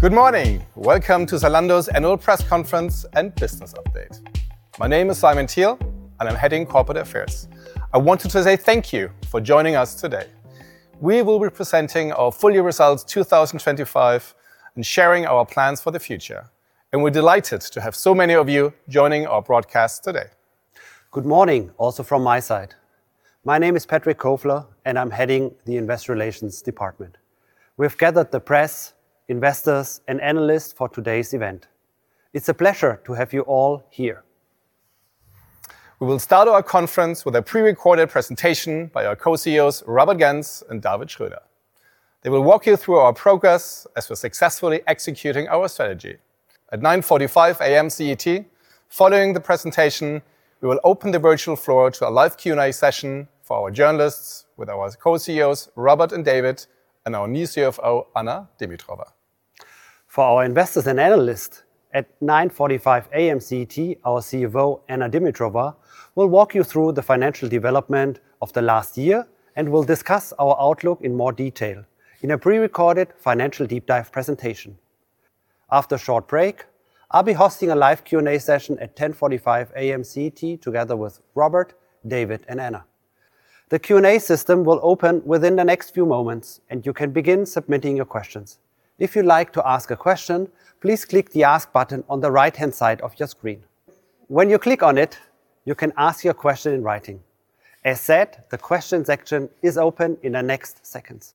Good morning. Welcome to Zalando's Annual Press Conference and Business Update. My name is Simon Thiel, and I'm heading Corporate Affairs. I wanted to say thank you for joining us today. We will be presenting our full year results 2025, and sharing our plans for the future, and we're delighted to have so many of you joining our broadcast today. Good morning also from my side. My name is Patrick Kofler, and I'm heading the Investor Relations department. We have gathered the press, investors, and analysts for today's event. It's a pleasure to have you all here. We will start our conference with a pre-recorded presentation by our Co-CEOs, Robert Gentz and David Schröder. They will walk you through our progress as we're successfully executing our strategy. At 9:45 A.M. CET, following the presentation, we will open the virtual floor to a live Q&A session for our journalists with our Co-CEOs, Robert and David, and our new CFO, Anna Dimitrova. For our investors and analysts, at 9:45 A.M. CET, our CFO, Anna Dimitrova, will walk you through the financial development of the last year and will discuss our outlook in more detail in a pre-recorded financial deep dive presentation. After a short break, I'll be hosting a live Q&A session at 10:45 A.M. CET together with Robert, David, and Anna. The Q&A system will open within the next few moments, and you can begin submitting your questions. If you'd like to ask a question, please click the Ask button on the right-hand side of your screen. When you click on it, you can ask your question in writing. As said, the question section is open in the next seconds.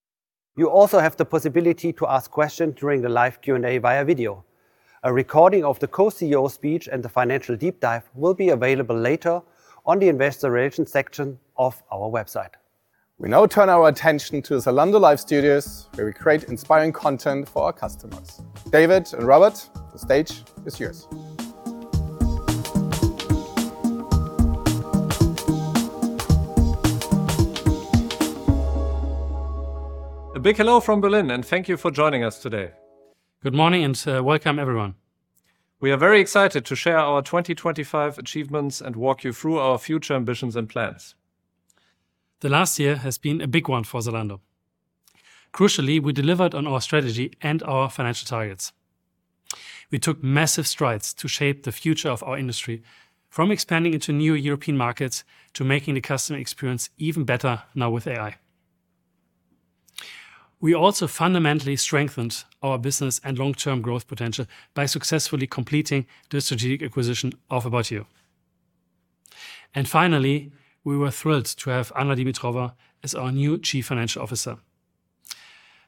You also have the possibility to ask questions during the live Q&A via video. A recording of the Co-CEO speech and the financial deep dive will be available later on the Investor Relations section of our website. We now turn our attention to the Zalando Live Studios, where we create inspiring content for our customers. David and Robert, the stage is yours. A big hello from Berlin, and thank you for joining us today. Good morning, and welcome everyone. We are very excited to share our 2025 achievements and walk you through our future ambitions and plans. The last year has been a big one for Zalando. Crucially, we delivered on our strategy and our financial targets. We took massive strides to shape the future of our industry, from expanding into new European markets to making the customer experience even better now with AI. We also fundamentally strengthened our business and long-term growth potential by successfully completing the strategic acquisition of ABOUT YOU. Finally, we were thrilled to have Anna Dimitrova as our new Chief Financial Officer.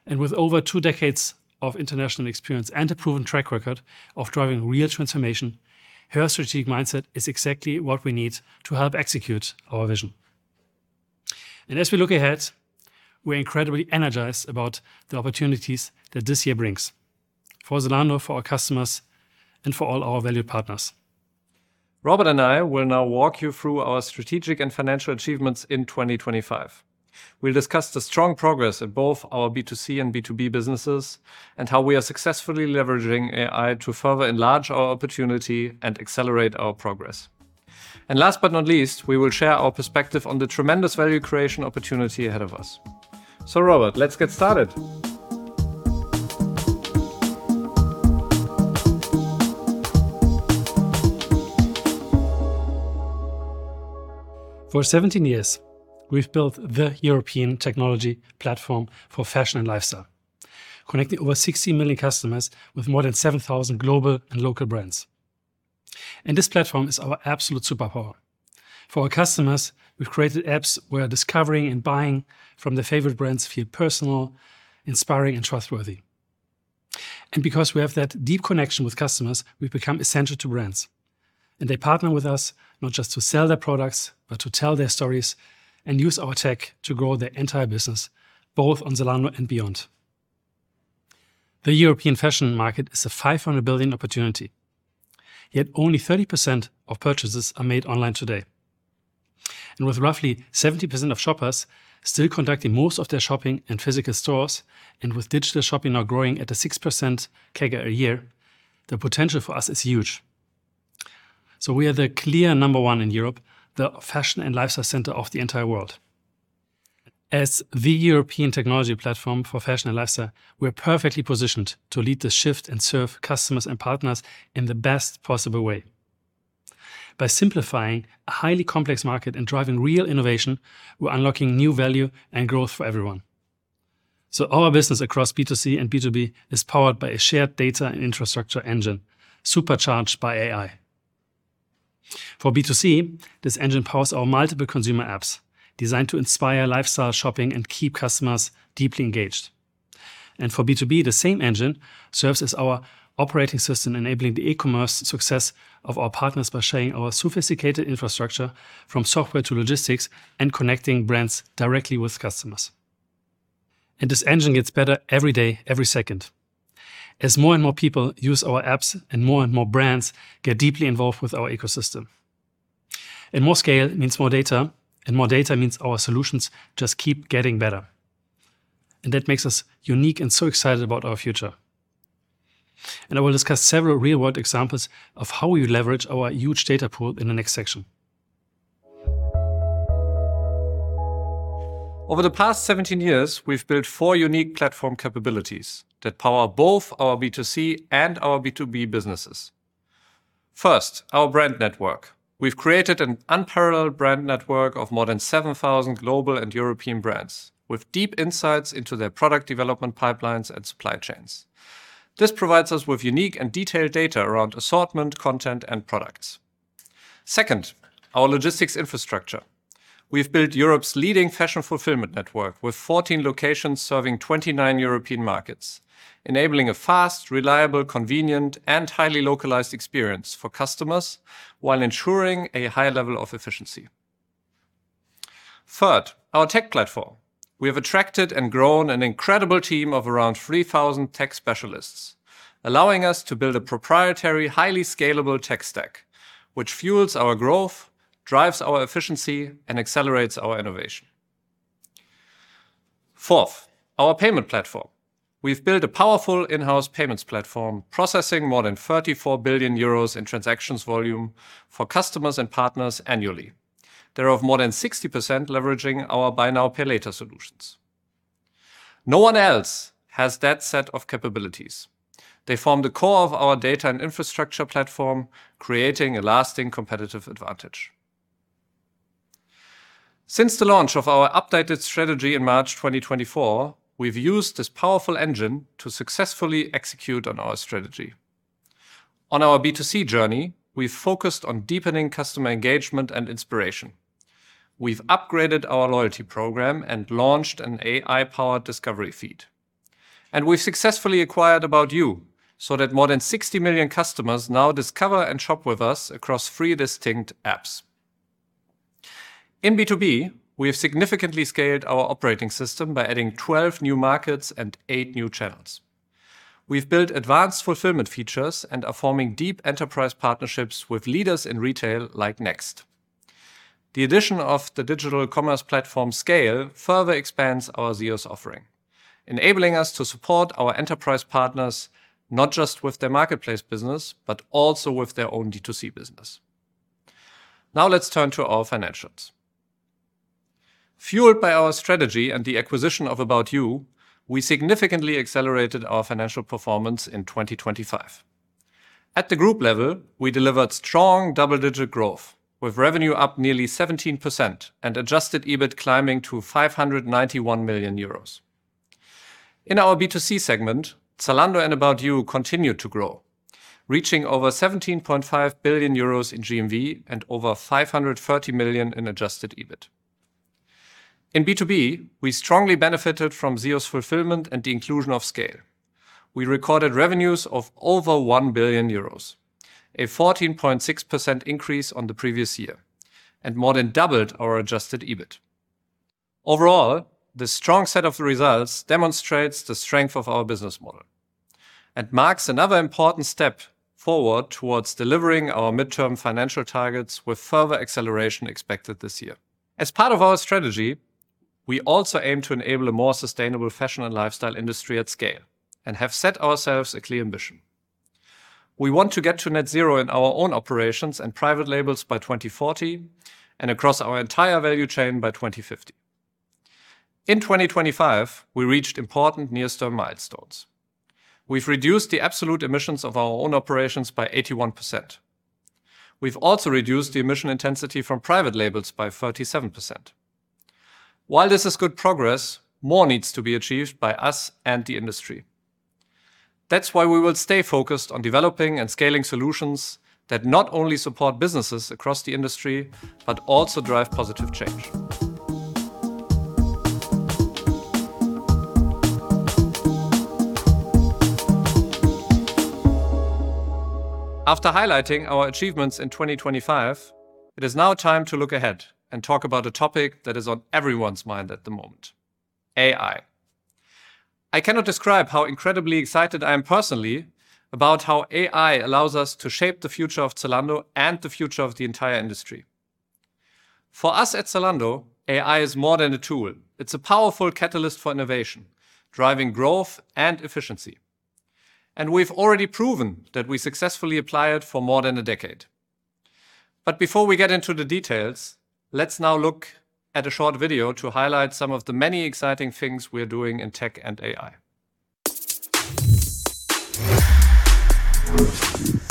With over two decades of international experience and a proven track record of driving real transformation, her strategic mindset is exactly what we need to help execute our vision. As we look ahead, we're incredibly energized about the opportunities that this year brings for Zalando, for our customers, and for all our valued partners. Robert and I will now walk you through our strategic and financial achievements in 2025. We'll discuss the strong progress of both our B2C and B2B businesses and how we are successfully leveraging AI to further enlarge our opportunity and accelerate our progress. Last but not least, we will share our perspective on the tremendous value creation opportunity ahead of us. Robert, let's get started. For 17 years, we've built the European technology platform for fashion and lifestyle, connecting over 60 million customers with more than 7,000 global and local brands, and this platform is our absolute superpower. For our customers, we've created apps where discovering and buying from their favorite brands feel personal, inspiring, and trustworthy. Because we have that deep connection with customers, we've become essential to brands, and they partner with us not just to sell their products, but to tell their stories and use our tech to grow their entire business, both on Zalando and beyond. The European fashion market is a 500 billion opportunity, yet only 30% of purchases are made online today. With roughly 70% of shoppers still conducting most of their shopping in physical stores, and with digital shopping now growing at a 6% CAGR a year, the potential for us is huge. We are the clear number one in Europe, the fashion and lifestyle center of the entire world. As the European technology platform for fashion and lifestyle, we're perfectly positioned to lead the shift and serve customers and partners in the best possible way. By simplifying a highly complex market and driving real innovation, we're unlocking new value and growth for everyone. Our business across B2C and B2B is powered by a shared data and infrastructure engine, supercharged by AI. For B2C, this engine powers our multiple consumer apps designed to inspire lifestyle shopping and keep customers deeply engaged. For B2B, the same engine serves as our operating system, enabling the e-commerce success of our partners by sharing our sophisticated infrastructure from software to logistics and connecting brands directly with customers. This engine gets better every day, every second as more and more people use our apps and more and more brands get deeply involved with our ecosystem. More scale means more data, and more data means our solutions just keep getting better, and that makes us unique and so excited about our future. I will discuss several real-world examples of how we leverage our huge data pool in the next section. Over the past 17 years, we've built four unique platform capabilities that power both our B2C and our B2B businesses. First, our brand network. We've created an unparalleled brand network of more than 7,000 global and European brands, with deep insights into their product development pipelines and supply chains. This provides us with unique and detailed data around assortment, content, and products. Second, our logistics infrastructure. We've built Europe's leading fashion fulfillment network with 14 locations serving 29 European markets, enabling a fast, reliable, convenient, and highly localized experience for customers while ensuring a high level of efficiency. Third, our tech platform. We have attracted and grown an incredible team of around 3,000 tech specialists, allowing us to build a proprietary, highly scalable tech stack which fuels our growth, drives our efficiency, and accelerates our innovation. Fourth, our payment platform. We've built a powerful in-house payments platform processing more than 34 billion euros in transactions volume for customers and partners annually. Thereof more than 60% leveraging our buy now, pay later solutions. No one else has that set of capabilities. They form the core of our data and infrastructure platform, creating a lasting competitive advantage. Since the launch of our updated strategy in March 20, 2024, we've used this powerful engine to successfully execute on our strategy. On our B2C journey, we focused on deepening customer engagement and inspiration. We've upgraded our loyalty program and launched an AI powered discovery feed. We've successfully acquired ABOUT YOU, so that more than 60 million customers now discover and shop with us across three distinct apps. In B2B, we have significantly scaled our operating system by adding 12 new markets and 8 new channels. We've built advanced fulfillment features and are forming deep enterprise partnerships with leaders in retail, like Next. The addition of the digital commerce platform SCAYLE further expands our ZEOS offering, enabling us to support our enterprise partners, not just with their marketplace business, but also with their own D2C business. Now let's turn to our financials. Fueled by our strategy and the acquisition of ABOUT YOU, we significantly accelerated our financial performance in 2025. At the group level, we delivered strong double-digit growth with revenue up nearly 17% and adjusted EBIT climbing to 591 million euros. In our B2C segment, Zalando and ABOUT YOU continue to grow, reaching over 17.5 billion euros in GMV and over 540 million in adjusted EBIT. In B2B, we strongly benefited from ZEOS Fulfillment and the inclusion of SCAYLE. We recorded revenues of over 1 billion euros, a 13.6% increase on the previous year, and more than doubled our adjusted EBIT. Overall, the strong set of results demonstrates the strength of our business model and marks another important step forward towards delivering our midterm financial targets with further acceleration expected this year. As part of our strategy, we also aim to enable a more sustainable fashion and lifestyle industry at scale and have set ourselves a clear ambition. We want to get to net zero in our own operations and private labels by 2040 and across our entire value chain by 2050. In 2025, we reached important near term milestones. We've reduced the absolute emissions of our own operations by 81%. We've also reduced the emission intensity from private labels by 37%. While this is good progress, more needs to be achieved by us and the industry. That's why we will stay focused on developing and scaling solutions that not only support businesses across the industry, but also drive positive change. After highlighting our achievements in 2025, it is now time to look ahead and talk about a topic that is on everyone's mind at the moment, AI. I cannot describe how incredibly excited I am personally about how AI allows us to shape the future of Zalando and the future of the entire industry. For us at Zalando, AI is more than a tool, it's a powerful catalyst for innovation, driving growth and efficiency. We've already proven that we successfully apply it for more than a decade. before we get into the details, let's now look at a short video to highlight some of the many exciting things we're doing in tech and AI. Ice on my neck.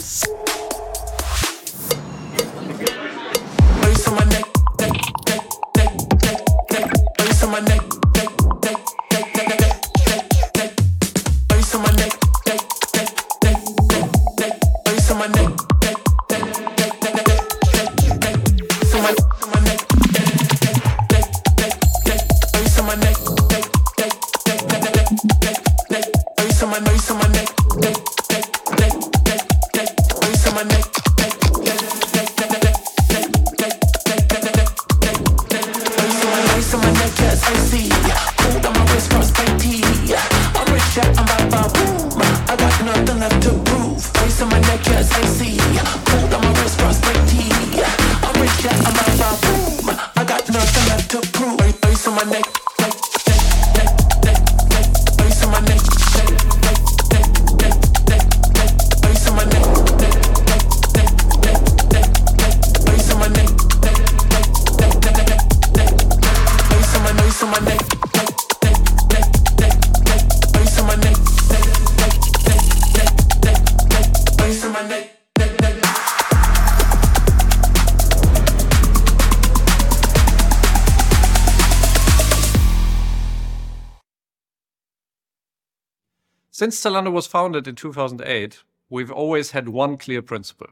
Ice on my neck. Ice on my neck. Ice on my neck. Ice on my neck. Ice on my neck. Ice on my neck. Ice on my neck. Ice on my neck. Yeah, icy. Cold on my wrist cost EUR 30. I'm rich, yeah I'm bout boom. I got enough to prove. Ice on my neck, yeah, icy. Cold on my wrist cost EUR 30. I'm rich, yeah I'm bout boom. I got enough to prove. Ice, ice on my neck. Since Zalando was founded in 2008, we've always had one clear principle: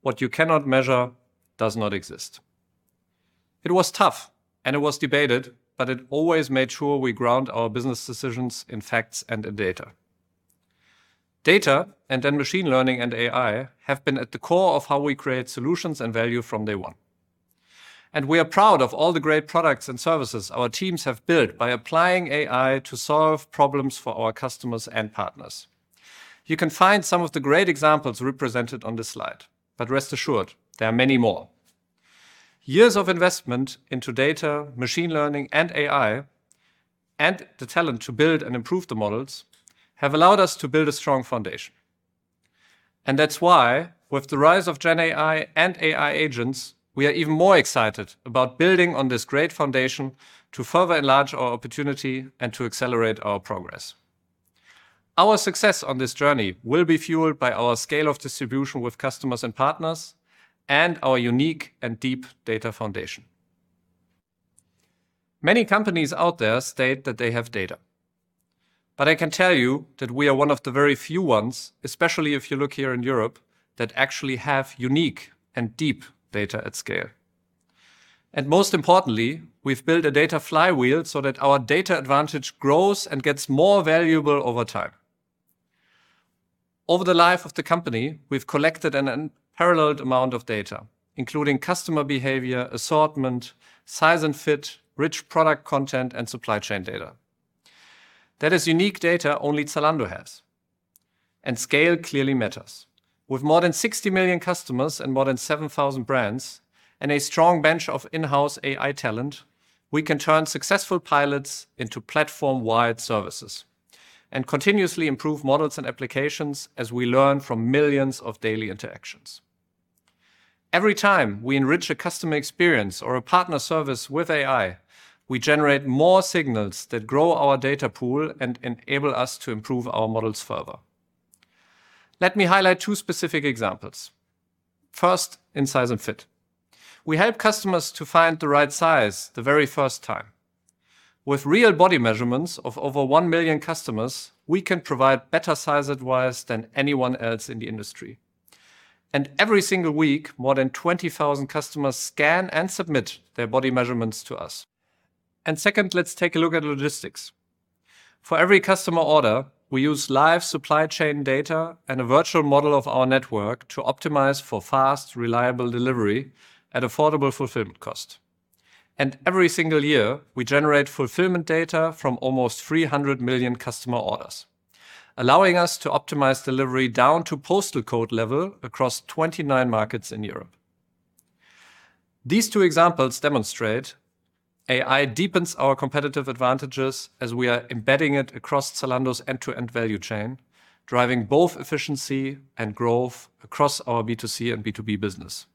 what you cannot measure does not exist. It was tough, and it was debated, but it always made sure we ground our business decisions in facts and in data. Data, and then machine learning and AI, have been at the core of how we create solutions and value from day one. We are proud of all the great products and services our teams have built by applying AI to solve problems for our customers and partners. You can find some of the great examples represented on this slide, but rest assured, there are many more. Years of investment into data, machine learning, and AI, and the talent to build and improve the models, have allowed us to build a strong foundation. That's why, with the rise of GenAI and AI agents, we are even more excited about building on this great foundation to further enlarge our opportunity and to accelerate our progress. Our success on this journey will be fueled by our scale of distribution with customers and partners and our unique and deep data foundation. Many companies out there state that they have data, but I can tell you that we are one of the very few ones, especially if you look here in Europe, that actually have unique and deep data at scale. Most importantly, we've built a data flywheel so that our data advantage grows and gets more valuable over time. Over the life of the company, we've collected an unparalleled amount of data, including customer behavior, assortment, size and fit, rich product content, and supply chain data. That is unique data only Zalando has, and scale clearly matters. With more than 60 million customers and more than 7,000 brands and a strong bench of in-house AI talent, we can turn successful pilots into platform-wide services and continuously improve models and applications as we learn from millions of daily interactions. Every time we enrich a customer experience or a partner service with AI, we generate more signals that grow our data pool and enable us to improve our models further. Let me highlight two specific examples. First, in size and fit. We help customers to find the right size the very first time. With real body measurements of over 1 million customers, we can provide better size advice than anyone else in the industry. Every single week, more than 20,000 customers scan and submit their body measurements to us. Second, let's take a look at logistics. For every customer order, we use live supply chain data and a virtual model of our network to optimize for fast, reliable delivery at affordable fulfillment cost. Every single year, we generate fulfillment data from almost 300 million customer orders, allowing us to optimize delivery down to postal code level across 29 markets in Europe. These two examples demonstrate AI deepens our competitive advantages as we are embedding it across Zalando's end-to-end value chain, driving both efficiency and growth across our B2C and B2B business.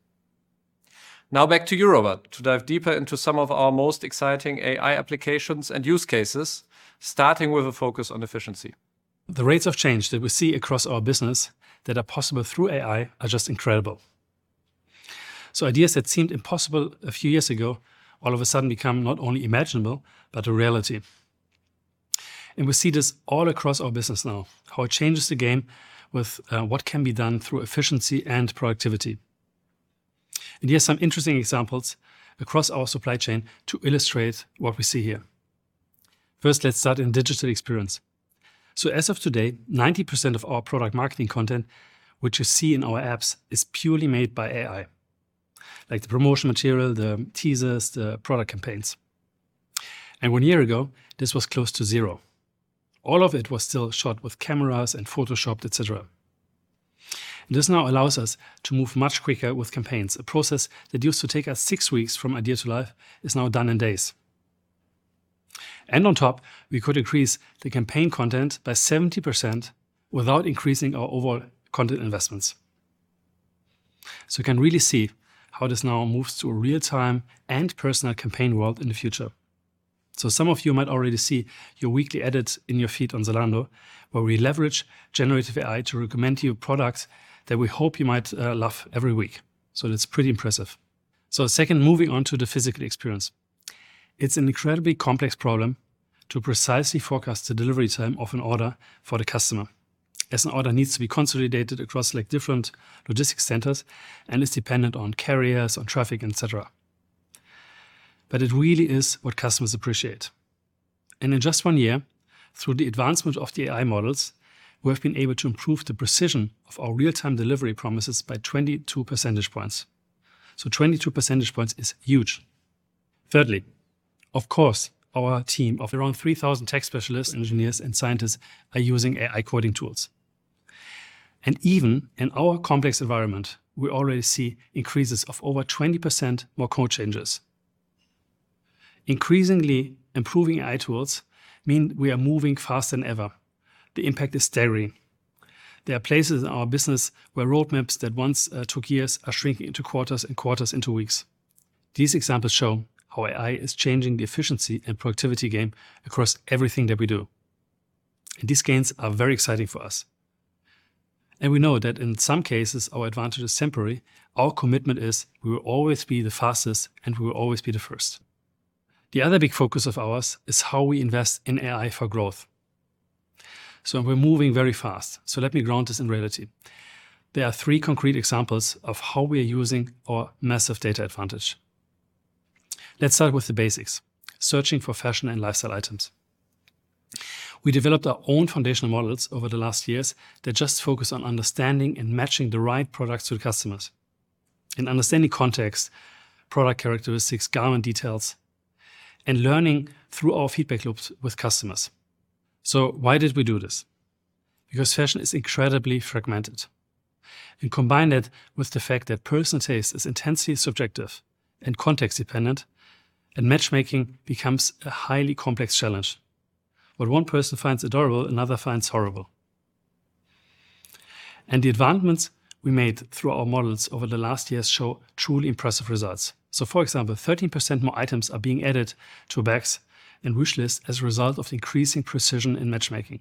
Now back to Robert to dive deeper into some of our most exciting AI applications and use cases, starting with a focus on efficiency. The rates of change that we see across our business that are possible through AI are just incredible. Ideas that seemed impossible a few years ago all of a sudden become not only imaginable, but a reality. We see this all across our business now, how it changes the game with what can be done through efficiency and productivity. Here are some interesting examples across our supply chain to illustrate what we see here. First, let's start in digital experience. As of today, 90% of our product marketing content, which you see in our apps, is purely made by AI, like the promotion material, the teasers, the product campaigns. One year ago, this was close to zero. All of it was still shot with cameras and photoshopped, et cetera. This now allows us to move much quicker with campaigns. A process that used to take us six weeks from idea to life is now done in days. On top, we could increase the campaign content by 70% without increasing our overall content investments. You can really see how this now moves to a real-time and personal campaign world in the future. Some of you might already see your weekly edits in your feed on Zalando, where we leverage generative AI to recommend to you products that we hope you might love every week. That's pretty impressive. Second, moving on to the physical experience. It's an incredibly complex problem to precisely forecast the delivery time of an order for the customer, as an order needs to be consolidated across like different logistics centers and is dependent on carriers, on traffic, et cetera. It really is what customers appreciate. In just one year, through the advancement of the AI models, we have been able to improve the precision of our real-time delivery promises by 22 percentage points. 22 percentage points is huge. Thirdly, of course, our team of around 3,000 tech specialists, engineers, and scientists are using AI coding tools. Even in our complex environment, we already see increases of over 20% more code changes. Increasingly improving AI tools mean we are moving faster than ever. The impact is staggering. There are places in our business where roadmaps that once took years are shrinking into quarters and quarters into weeks. These examples show how AI is changing the efficiency and productivity game across everything that we do. These gains are very exciting for us, and we know that in some cases our advantage is temporary. Our commitment is we will always be the fastest, and we will always be the first. The other big focus of ours is how we invest in AI for growth. We're moving very fast, so let me ground this in reality. There are three concrete examples of how we are using our massive data advantage. Let's start with the basics, searching for fashion and lifestyle items. We developed our own foundational models over the last years that just focus on understanding and matching the right products to the customers and understanding context, product characteristics, garment details, and learning through our feedback loops with customers. Why did we do this? Because fashion is incredibly fragmented, and combine that with the fact that personal taste is intensely subjective and context dependent and matchmaking becomes a highly complex challenge. What one person finds adorable, another finds horrible. The advancements we made through our models over the last years show truly impressive results. For example, 13% more items are being added to bags and wish lists as a result of the increasing precision in matchmaking.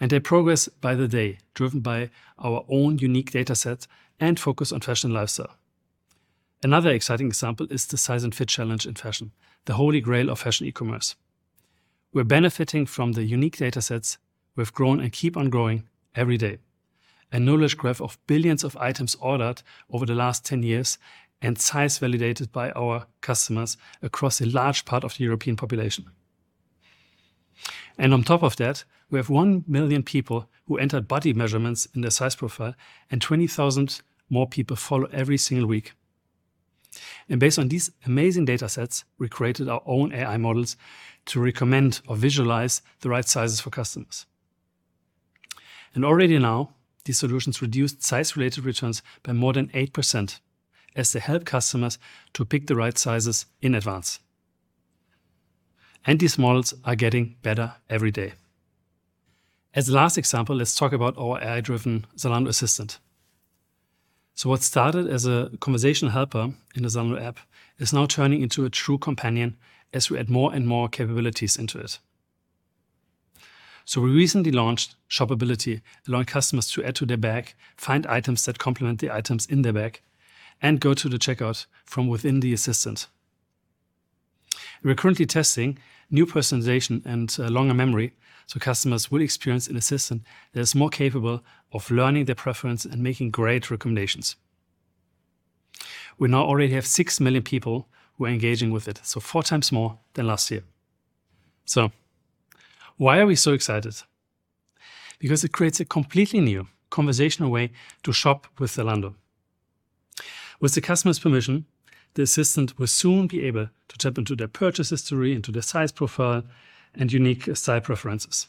They progress by the day, driven by our own unique data set and focus on fashion and lifestyle. Another exciting example is the size and fit challenge in fashion, the holy grail of fashion e-commerce. We're benefiting from the unique data sets we've grown and keep on growing every day. A knowledge graph of billions of items ordered over the last 10 years and size validated by our customers across a large part of the European population. On top of that, we have 1 million people who entered body measurements in their size profile, and 20,000 more people follow every single week. Based on these amazing data sets, we created our own AI models to recommend or visualize the right sizes for customers. Already now, these solutions reduced size-related returns by more than 8% as they help customers to pick the right sizes in advance. These models are getting better every day. As the last example, let's talk about our AI-driven Zalando assistant. What started as a conversational helper in the Zalando app is now turning into a true companion as we add more and more capabilities into it. We recently launched shopability, allowing customers to add to their bag, find items that complement the items in their bag, and go to the checkout from within the assistant. We're currently testing new personalization and longer memory, so customers will experience an assistant that is more capable of learning their preference and making great recommendations. We now already have 6 million people who are engaging with it, 4 times more than last year. Why are we so excited? Because it creates a completely new conversational way to shop with Zalando. With the customer's permission, the assistant will soon be able to tap into their purchase history, into their size profile, and unique style preferences.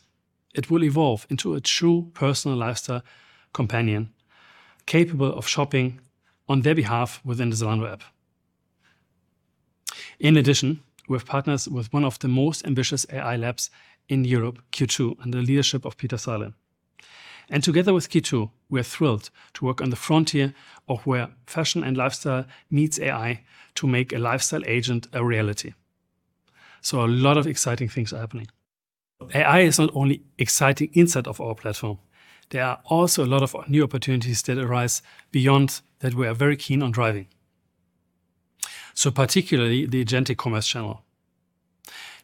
It will evolve into a true personal lifestyle companion capable of shopping on their behalf within the Zalando app. In addition, we've partnered with one of the most ambitious AI labs in Europe, Kyutai, under the leadership of Peter Sarlin. Together with Kyutai, we're thrilled to work on the frontier of where fashion and lifestyle meets AI to make a lifestyle agent a reality. A lot of exciting things are happening. AI is not only exciting inside of our platform, there are also a lot of new opportunities that arise beyond that, we are very keen on driving. Particularly the agentic commerce channel.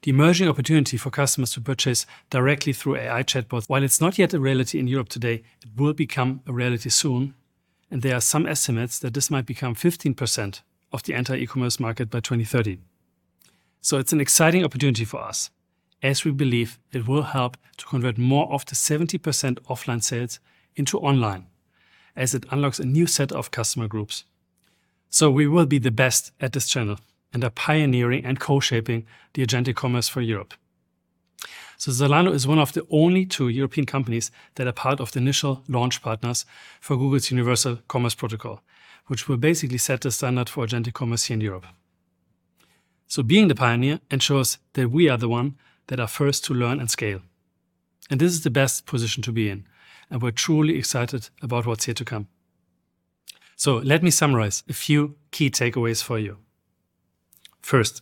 The emerging opportunity for customers to purchase directly through AI chatbot. While it's not yet a reality in Europe today, it will become a reality soon, and there are some estimates that this might become 15% of the entire e-commerce market by 2030. It's an exciting opportunity for us as we believe it will help to convert more of the 70% offline sales into online as it unlocks a new set of customer groups. We will be the best at this channel and are pioneering and co-shaping the agentic commerce for Europe. Zalando is one of the only two European companies that are part of the initial launch partners for Google's Universal Commerce Protocol, which will basically set the standard for agentic commerce here in Europe. Being the pioneer ensures that we are the one that are first to learn and scale, and this is the best position to be in, and we're truly excited about what's here to come. Let me summarize a few key takeaways for you. First,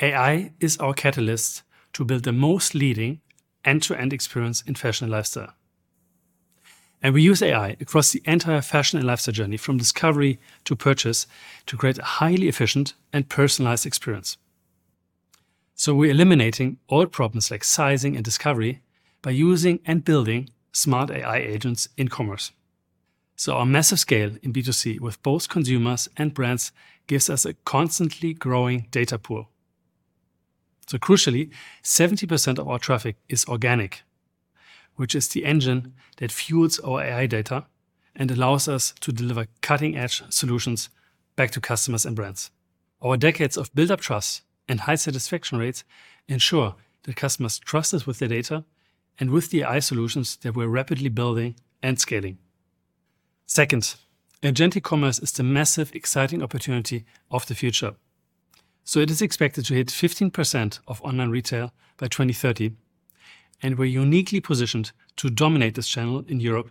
AI is our catalyst to build the most leading end-to-end experience in fashion and lifestyle. We use AI across the entire fashion and lifestyle journey from discovery to purchase to create a highly efficient and personalized experience. We're eliminating all problems like sizing and discovery by using and building smart AI agents in commerce. Our massive scale in B2C with both consumers and brands gives us a constantly growing data pool. Crucially, 70% of our traffic is organic, which is the engine that fuels our AI data and allows us to deliver cutting-edge solutions back to customers and brands. Our decades of built-up trust and high satisfaction rates ensure that customers trust us with their data and with the AI solutions that we're rapidly building and scaling. Second, agentic commerce is the massive, exciting opportunity of the future. It is expected to hit 15% of online retail by 2030, and we're uniquely positioned to dominate this channel in Europe,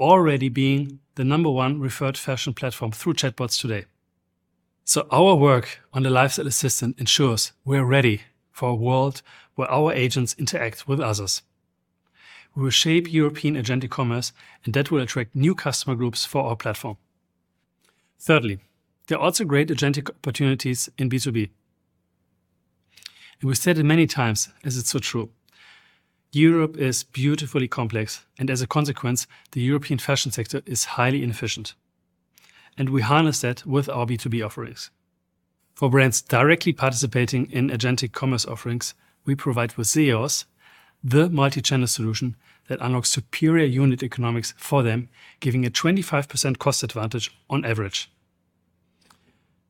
already being the number one referred fashion platform through chatbots today. Our work on the lifestyle assistant ensures we're ready for a world where our agents interact with others. We will shape European agentic commerce, and that will attract new customer groups for our platform. Thirdly, there are also great agentic opportunities in B2B. We've said it many times, as it's so true, Europe is beautifully complex, and as a consequence, the European fashion sector is highly inefficient, and we harness that with our B2B offerings. For brands directly participating in agentic commerce offerings, we provide with ZEOS the multi-channel solution that unlocks superior unit economics for them, giving a 25% cost advantage on average.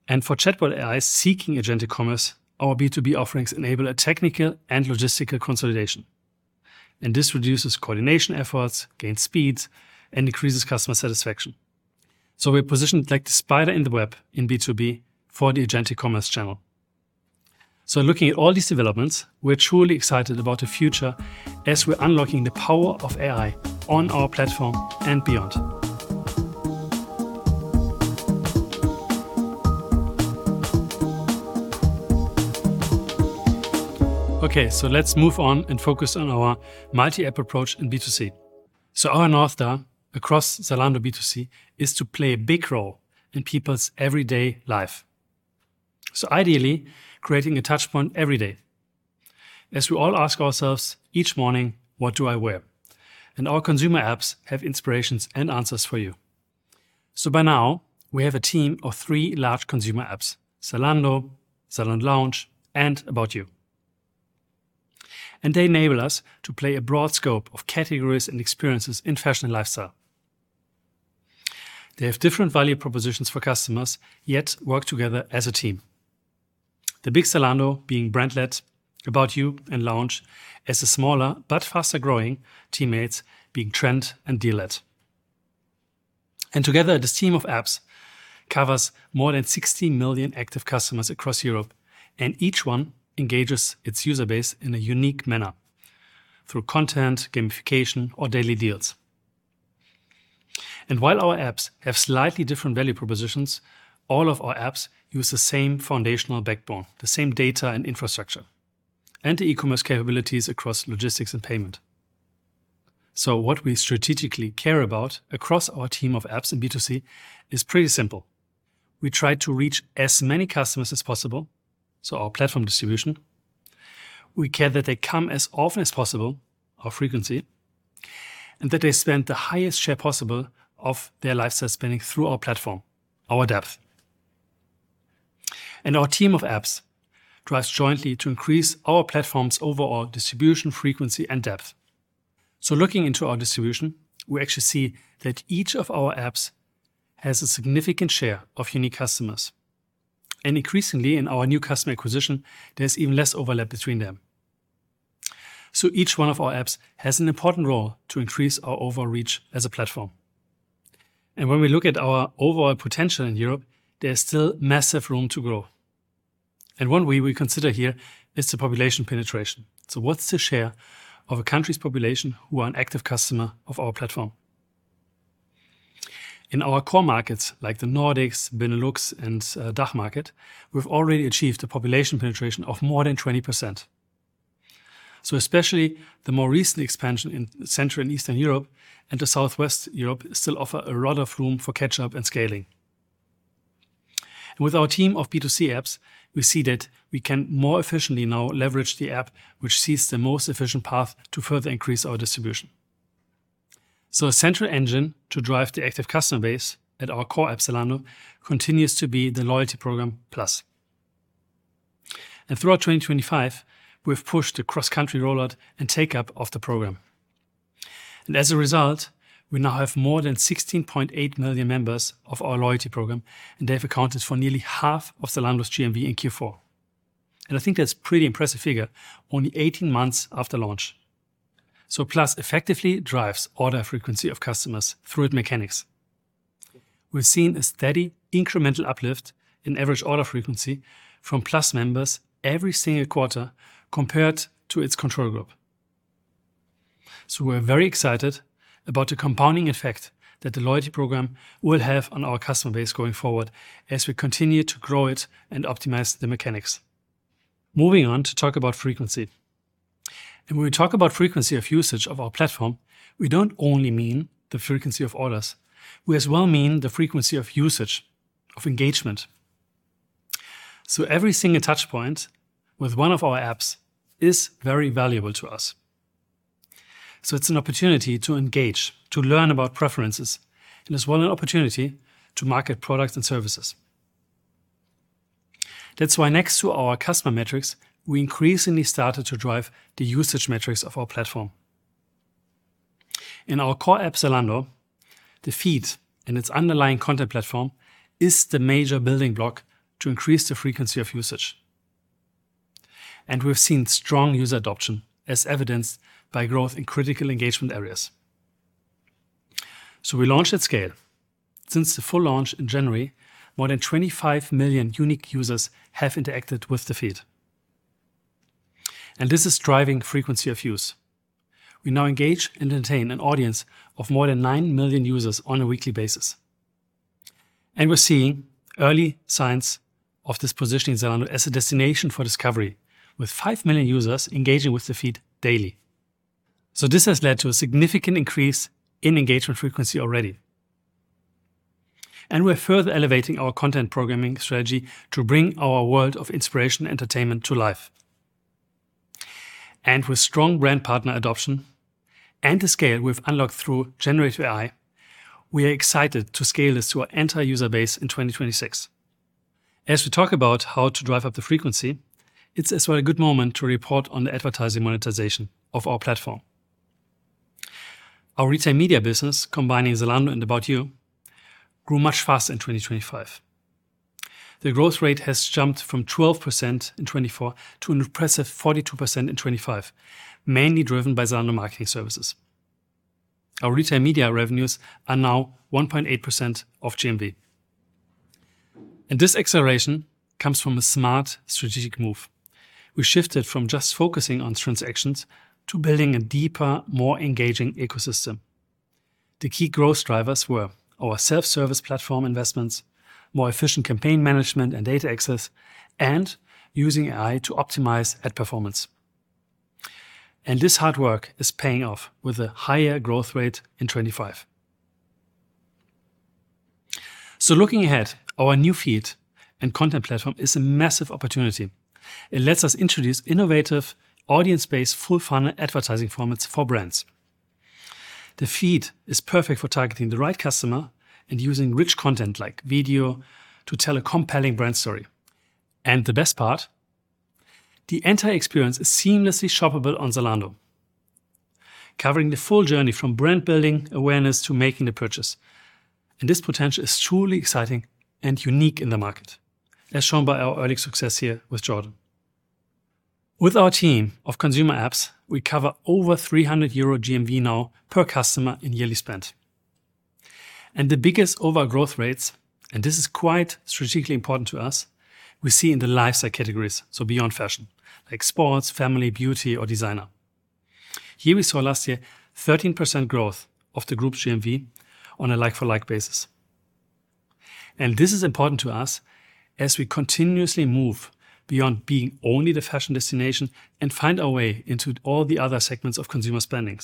For chatbot AIs seeking agentic commerce, our B2B offerings enable a technical and logistical consolidation, and this reduces coordination efforts, gains speeds, and increases customer satisfaction. We're positioned like the spider in the web in B2B for the agentic commerce channel. Looking at all these developments, we're truly excited about the future as we're unlocking the power of AI on our platform and beyond. Okay, let's move on and focus on our multi-app approach in B2C. Our North Star across Zalando B2C is to play a big role in people's everyday life, so ideally, creating a touchpoint every day. As we all ask ourselves each morning, "What do I wear?" Our consumer apps have inspirations and answers for you. By now, we have a team of three large consumer apps, Zalando Lounge, and ABOUT YOU. They enable us to play a broad scope of categories and experiences in fashion and lifestyle. They have different value propositions for customers, yet work together as a team. The big Zalando being brand led, ABOUT YOU and Lounge as the smaller but faster-growing teammates being trend and deal led. Together, this team of apps covers more than 60 million active customers across Europe, and each one engages its user base in a unique manner through content, gamification, or daily deals. While our apps have slightly different value propositions, all of our apps use the same foundational backbone, the same data and infrastructure, and the e-commerce capabilities across logistics and payment. What we strategically care about across our team of apps in B2C is pretty simple. We try to reach as many customers as possible, so our platform distribution. We care that they come as often as possible, our frequency, and that they spend the highest share possible of their lifestyle spending through our platform, our depth. Our team of apps drives jointly to increase our platform's overall distribution, frequency, and depth. Looking into our distribution, we actually see that each of our apps has a significant share of unique customers. Increasingly in our new customer acquisition, there's even less overlap between them. Each one of our apps has an important role to increase our overall reach as a platform. When we look at our overall potential in Europe, there's still massive room to grow. One way we consider here is the population penetration. What's the share of a country's population who are an active customer of our platform? In our core markets like the Nordics, Benelux, and DACH market, we've already achieved a population penetration of more than 20%. Especially the more recent expansion in Central and Eastern Europe and the Southwest Europe still offer a lot of room for catch-up and scaling. With our team of B2C apps, we see that we can more efficiently now leverage the app which sees the most efficient path to further increase our distribution. A central engine to drive the active customer base at our core app, Zalando, continues to be the loyalty program, Plus. Throughout 2025, we've pushed the cross-country rollout and take-up of the program. As a result, we now have more than 16.8 million members of our loyalty program, and they have accounted for nearly half of Zalando's GMV in Q4. I think that's a pretty impressive figure only 18 months after launch. Plus effectively drives order frequency of customers through its mechanics. We've seen a steady incremental uplift in average order frequency from Plus members every single quarter compared to its control group. We're very excited about the compounding effect that the loyalty program will have on our customer base going forward as we continue to grow it and optimize the mechanics. Moving on to talk about frequency. When we talk about frequency of usage of our platform, we don't only mean the frequency of orders, we as well mean the frequency of usage, of engagement. Every single touchpoint with one of our apps is very valuable to us. It's an opportunity to engage, to learn about preferences, and as well an opportunity to market products and services. That's why next to our customer metrics, we increasingly started to drive the usage metrics of our platform. In our core app, Zalando, the feed and its underlying content platform is the major building block to increase the frequency of usage. We've seen strong user adoption as evidenced by growth in critical engagement areas. We launched at scale. Since the full launch in January, more than 25 million unique users have interacted with the feed. This is driving frequency of use. We now engage and entertain an audience of more than 9 million users on a weekly basis. We're seeing early signs of this positioning Zalando as a destination for discovery, with 5 million users engaging with the feed daily. This has led to a significant increase in engagement frequency already. We're further elevating our content programming strategy to bring our world of inspiration, entertainment to life. With strong brand partner adoption and the scale we've unlocked through generative AI, we are excited to scale this to our entire user base in 2026. As we talk about how to drive up the frequency, it's as well a good moment to report on the advertising monetization of our platform. Our retail media business, combining Zalando and ABOUT YOU, grew much faster in 2025. The growth rate has jumped from 12% in 2024 to an impressive 42% in 2025, mainly driven by Zalando Marketing Services. Our retail media revenues are now 1.8% of GMV. This acceleration comes from a smart strategic move. We shifted from just focusing on transactions to building a deeper, more engaging ecosystem. The key growth drivers were our self-service platform investments, more efficient campaign management and data access, and using AI to optimize ad performance. This hard work is paying off with a higher growth rate in 2025. Looking ahead, our new feed and content platform is a massive opportunity. It lets us introduce innovative, audience-based, full-funnel advertising formats for brands. The feed is perfect for targeting the right customer and using rich content like video to tell a compelling brand story. The best part, the entire experience is seamlessly shoppable on Zalando, covering the full journey from brand building awareness to making the purchase. This potential is truly exciting and unique in the market, as shown by our early success here with Jordan. With our team of consumer apps, we cover over 300 euro GMV now per customer in yearly spend. The biggest growth rates, and this is quite strategically important to us, we see in the lifestyle categories, so beyond fashion, like sports, family, beauty, or designer. Here we saw last year 13% growth of the group's GMV on a like-for-like basis. This is important to us as we continuously move beyond being only the fashion destination and find our way into all the other segments of consumer spending.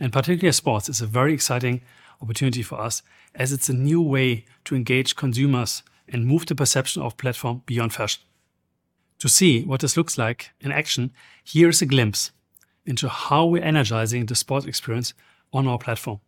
Particularly sports is a very exciting opportunity for us as it's a new way to engage consumers and move the perception of platform beyond fashion. To see what this looks like in action, here is a glimpse into how we're energizing the sports experience on our platform.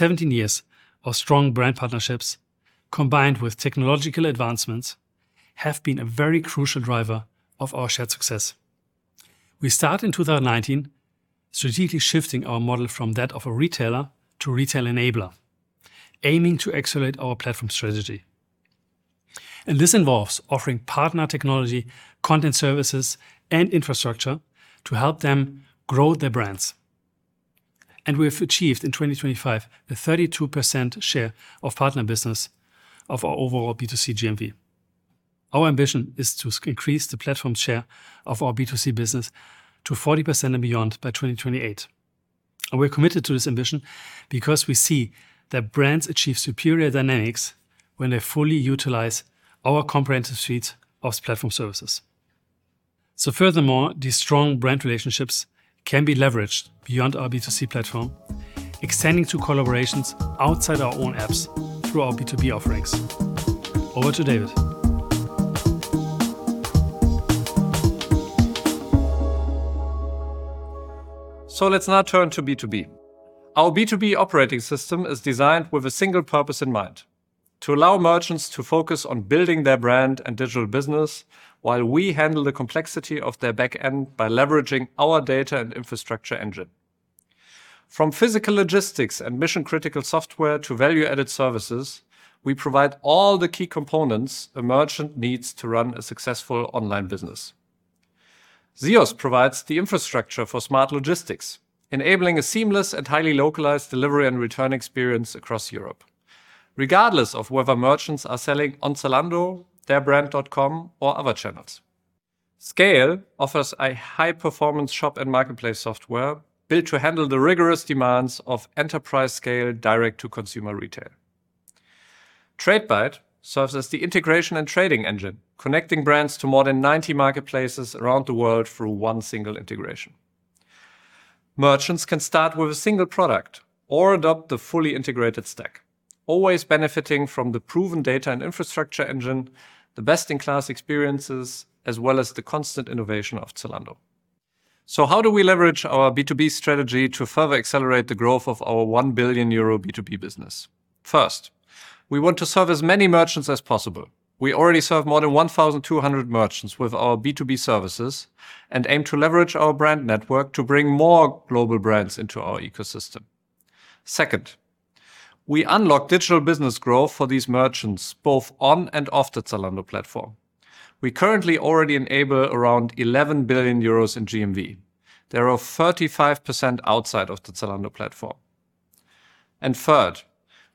Our 17 years of strong brand partnerships, combined with technological advancements, have been a very crucial driver of our shared success. We start in 2019, strategically shifting our model from that of a retailer to retail enabler, aiming to accelerate our platform strategy. This involves offering partner technology, content services, and infrastructure to help them grow their brands. We have achieved in 2025 a 32% share of partner business of our overall B2C GMV. Our ambition is to increase the platform share of our B2C business to 40% and beyond by 2028. We're committed to this ambition because we see that brands achieve superior dynamics when they fully utilize our comprehensive suite of platform services. Furthermore, these strong brand relationships can be leveraged beyond our B2C platform, extending to collaborations outside our own apps through our B2B offerings. Over to David. Let's now turn to B2B. Our B2B operating system is designed with a single purpose in mind, to allow merchants to focus on building their brand and digital business while we handle the complexity of their back end by leveraging our data and infrastructure engine. From physical logistics and mission-critical software to value-added services, we provide all the key components a merchant needs to run a successful online business. ZEOS provides the infrastructure for smart logistics, enabling a seamless and highly localized delivery and return experience across Europe, regardless of whether merchants are selling on Zalando, their brand dot com or other channels. SCAYLE offers a high-performance shop and marketplace software built to handle the rigorous demands of enterprise scale direct-to-consumer retail. Tradebyte serves as the integration and trading engine, connecting brands to more than 90 marketplaces around the world through one single integration. Merchants can start with a single product or adopt the fully integrated stack, always benefiting from the proven data and infrastructure engine, the best-in-class experiences, as well as the constant innovation of Zalando. How do we leverage our B2B strategy to further accelerate the growth of our 1 billion euro B2B business? First, we want to serve as many merchants as possible. We already serve more than 1,200 merchants with our B2B services and aim to leverage our brand network to bring more global brands into our ecosystem. Second, we unlock digital business growth for these merchants, both on and off the Zalando platform. We currently already enable around 11 billion euros in GMV. There are 35% outside of the Zalando platform. Third,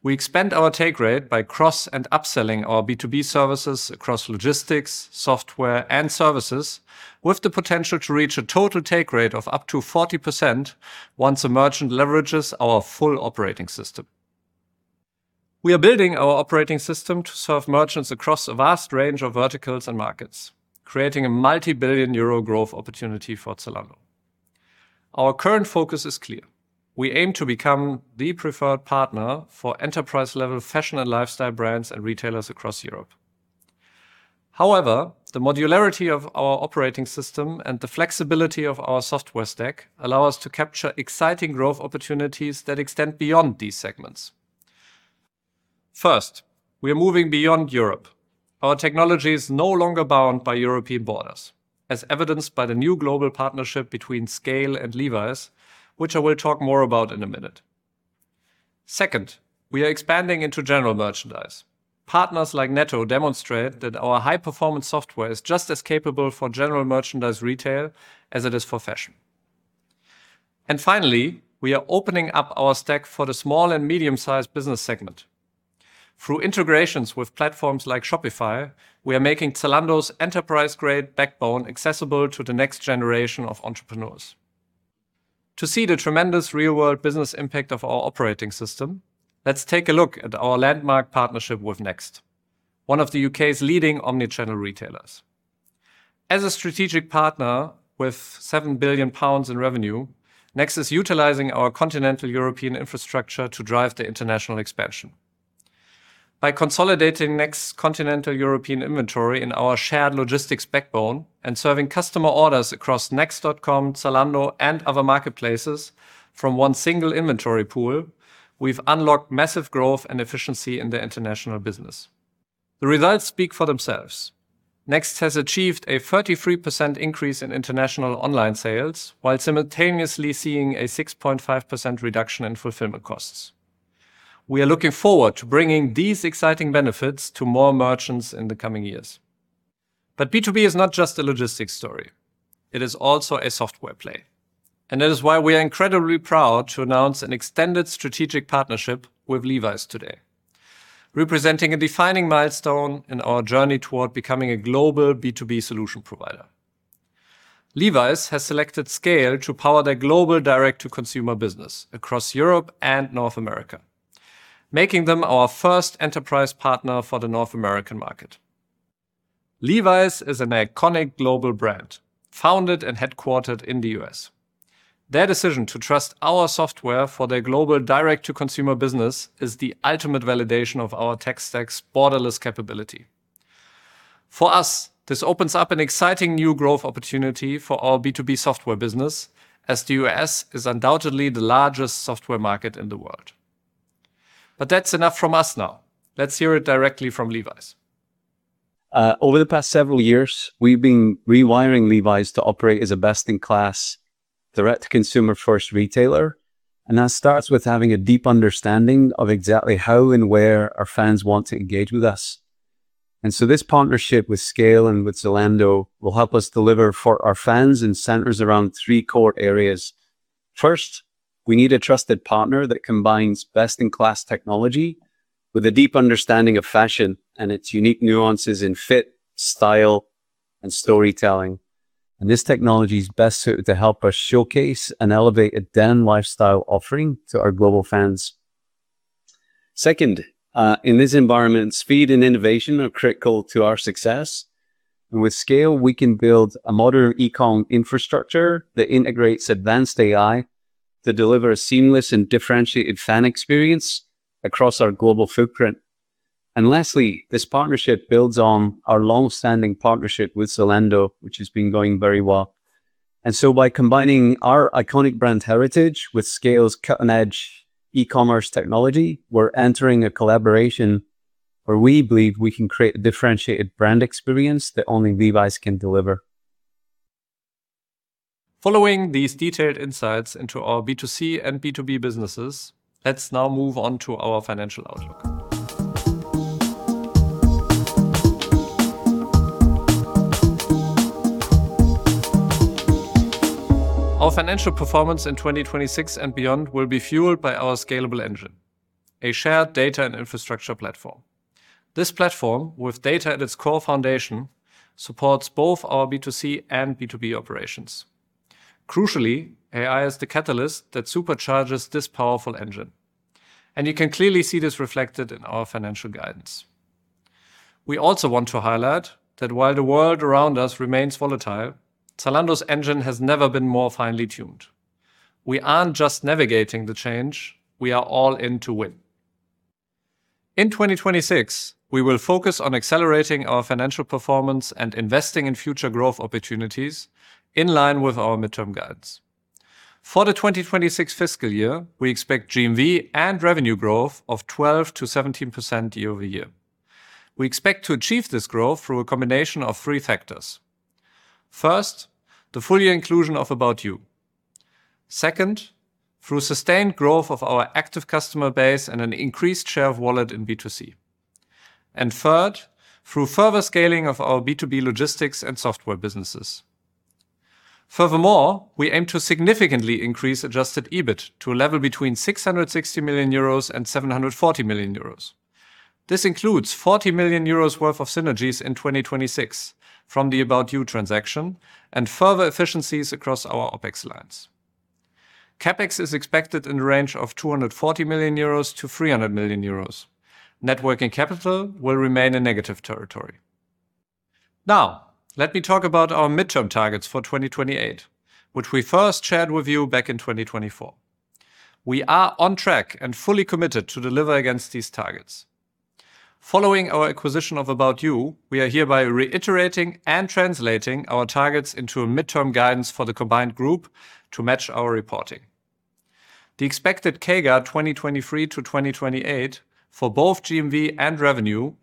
we expand our take rate by cross- and upselling our B2B services across logistics, software and services, with the potential to reach a total take rate of up to 40% once a merchant leverages our full operating system. We are building our operating system to serve merchants across a vast range of verticals and markets, creating a multi-billion EUR growth opportunity for Zalando. Our current focus is clear. We aim to become the preferred partner for enterprise-level fashion and lifestyle brands and retailers across Europe. However, the modularity of our operating system and the flexibility of our software stack allow us to capture exciting growth opportunities that extend beyond these segments. First, we are moving beyond Europe. Our technology is no longer bound by European borders, as evidenced by the new global partnership between SCAYLE and Levi's, which I will talk more about in a minute. Second, we are expanding into general merchandise. Partners like Netto demonstrate that our high-performance software is just as capable for general merchandise retail as it is for fashion. Finally, we are opening up our stack for the small and medium-sized business segment. Through integrations with platforms like Shopify, we are making Zalando's enterprise-grade backbone accessible to the next generation of entrepreneurs. To see the tremendous real-world business impact of our operating system, let's take a look at our landmark partnership with Next, one of the UK's leading omnichannel retailers. As a strategic partner with 7 billion pounds in revenue, Next is utilizing our continental European infrastructure to drive their international expansion. By consolidating Next continental European inventory in our shared logistics backbone and serving customer orders across next.com, Zalando and other marketplaces from one single inventory pool, we've unlocked massive growth and efficiency in their international business. The results speak for themselves. Next has achieved a 33% increase in international online sales, while simultaneously seeing a 6.5% reduction in fulfillment costs. We are looking forward to bringing these exciting benefits to more merchants in the coming years. B2B is not just a logistics story, it is also a software play, and that is why we are incredibly proud to announce an extended strategic partnership with Levi's today, representing a defining milestone in our journey toward becoming a global B2B solution provider. Levi's has selected SCAYLE to power their global direct-to-consumer business across Europe and North America, making them our first enterprise partner for the North American market. Levi's is an iconic global brand, founded and headquartered in the US. Their decision to trust our software for their global direct-to-consumer business is the ultimate validation of our tech stack's borderless capability. For us, this opens up an exciting new growth opportunity for our B2B software business, as the U.S. is undoubtedly the largest software market in the world. That's enough from us now. Let's hear it directly from Levi's. Over the past several years, we've been rewiring Levi's to operate as a best-in-class direct-to-consumer first retailer. That starts with having a deep understanding of exactly how and where our fans want to engage with us. This partnership with SCAYLE and with Zalando will help us deliver for our fans and centers around three core areas. First, we need a trusted partner that combines best-in-class technology with a deep understanding of fashion and its unique nuances in fit, style and storytelling. This technology is best suited to help us showcase and elevate a denim lifestyle offering to our global fans. Second, in this environment, speed and innovation are critical to our success. With SCAYLE, we can build a modern e-com infrastructure that integrates advanced AI to deliver a seamless and differentiated fan experience across our global footprint. Lastly, this partnership builds on our long-standing partnership with Zalando, which has been going very well. By combining our iconic brand heritage with SCAYLE's cutting-edge e-commerce technology, we're entering a collaboration where we believe we can create a differentiated brand experience that only Levi's can deliver. Following these detailed insights into our B2C and B2B businesses, let's now move on to our financial outlook. Our financial performance in 2026 and beyond will be fueled by our scalable engine, a shared data and infrastructure platform. This platform, with data at its core foundation, supports both our B2C and B2B operations. Crucially, AI is the catalyst that supercharges this powerful engine, and you can clearly see this reflected in our financial guidance. We also want to highlight that while the world around us remains volatile, Zalando's engine has never been more finely tuned. We aren't just navigating the change, we are all in to win. In 2026, we will focus on accelerating our financial performance and investing in future growth opportunities in line with our midterm guidance. For the 2026 fiscal year, we expect GMV and revenue growth of 12%-17% year-over-year. We expect to achieve this growth through a combination of three factors. First, the full year inclusion of ABOUT YOU. Second, through sustained growth of our active customer base and an increased share of wallet in B2C. Third, through further scaling of our B2B logistics and software businesses. Furthermore, we aim to significantly increase adjusted EBIT to a level between 660 million euros and 740 million euros. This includes 40 million euros worth of synergies in 2026 from the ABOUT YOU transaction and further efficiencies across our OpEx lines. CapEx is expected in the range of 240 million euros to 300 million euros. Net working capital will remain in negative territory. Now, let me talk about our midterm targets for 2028, which we first shared with you back in 2024. We are on track and fully committed to deliver against these targets. Following our acquisition of ABOUT YOU, we are hereby reiterating and translating our targets into a midterm guidance for the combined group to match our reporting. The expected CAGR 2023-2028 for both GMV and revenue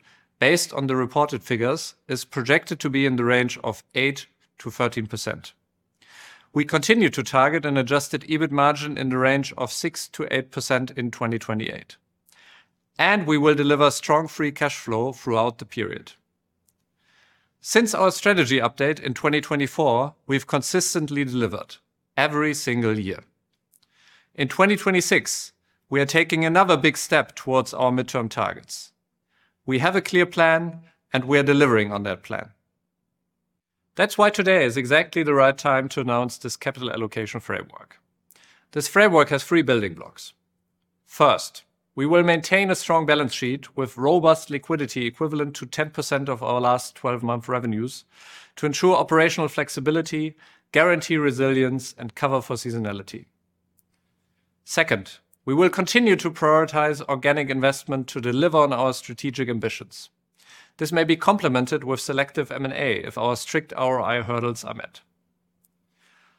based on the reported figures is projected to be in the range of 8%-13%. We continue to target an adjusted EBIT margin in the range of 6%-8% in 2028, and we will deliver strong free cash flow throughout the period. Since our strategy update in 2024, we've consistently delivered every single year. In 2026, we are taking another big step towards our midterm targets. We have a clear plan, and we are delivering on that plan. That's why today is exactly the right time to announce this capital allocation framework. This framework has three building blocks. First, we will maintain a strong balance sheet with robust liquidity equivalent to 10% of our last twelve month revenues to ensure operational flexibility, guarantee resilience, and cover for seasonality. Second, we will continue to prioritize organic investment to deliver on our strategic ambitions. This may be complemented with selective M&A if our strict ROI hurdles are met.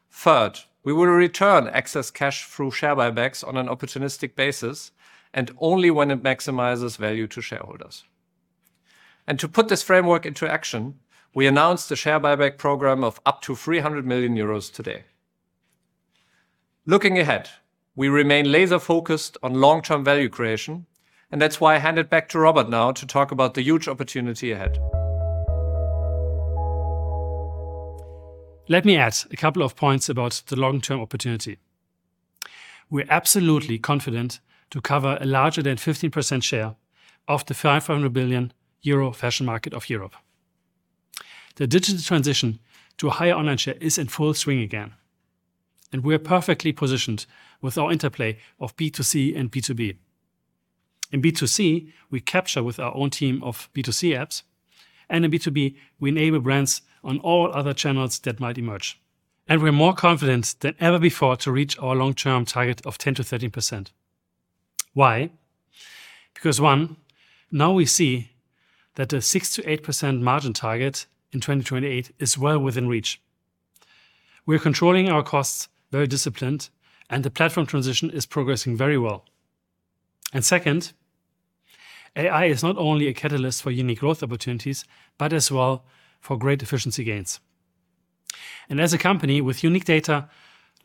Third, we will return excess cash through share buybacks on an opportunistic basis and only when it maximizes value to shareholders. To put this framework into action, we announced a share buyback program of up to 300 million euros today. Looking ahead, we remain laser-focused on long-term value creation, and that's why I hand it back to Robert now to talk about the huge opportunity ahead. Let me add a couple of points about the long-term opportunity. We're absolutely confident to cover a larger than 15% share of the 500 billion euro fashion market of Europe. The digital transition to a higher online share is in full swing again, and we are perfectly positioned with our interplay of B2C and B2B. In B2C, we capture with our own team of B2C apps, and in B2B, we enable brands on all other channels that might emerge. We're more confident than ever before to reach our long-term target of 10%-13%. Why? Because, one, now we see that the 6%-8% margin target in 2028 is well within reach. We're controlling our costs very disciplined, and the platform transition is progressing very well. Second, AI is not only a catalyst for unique growth opportunities, but as well for great efficiency gains. As a company with unique data,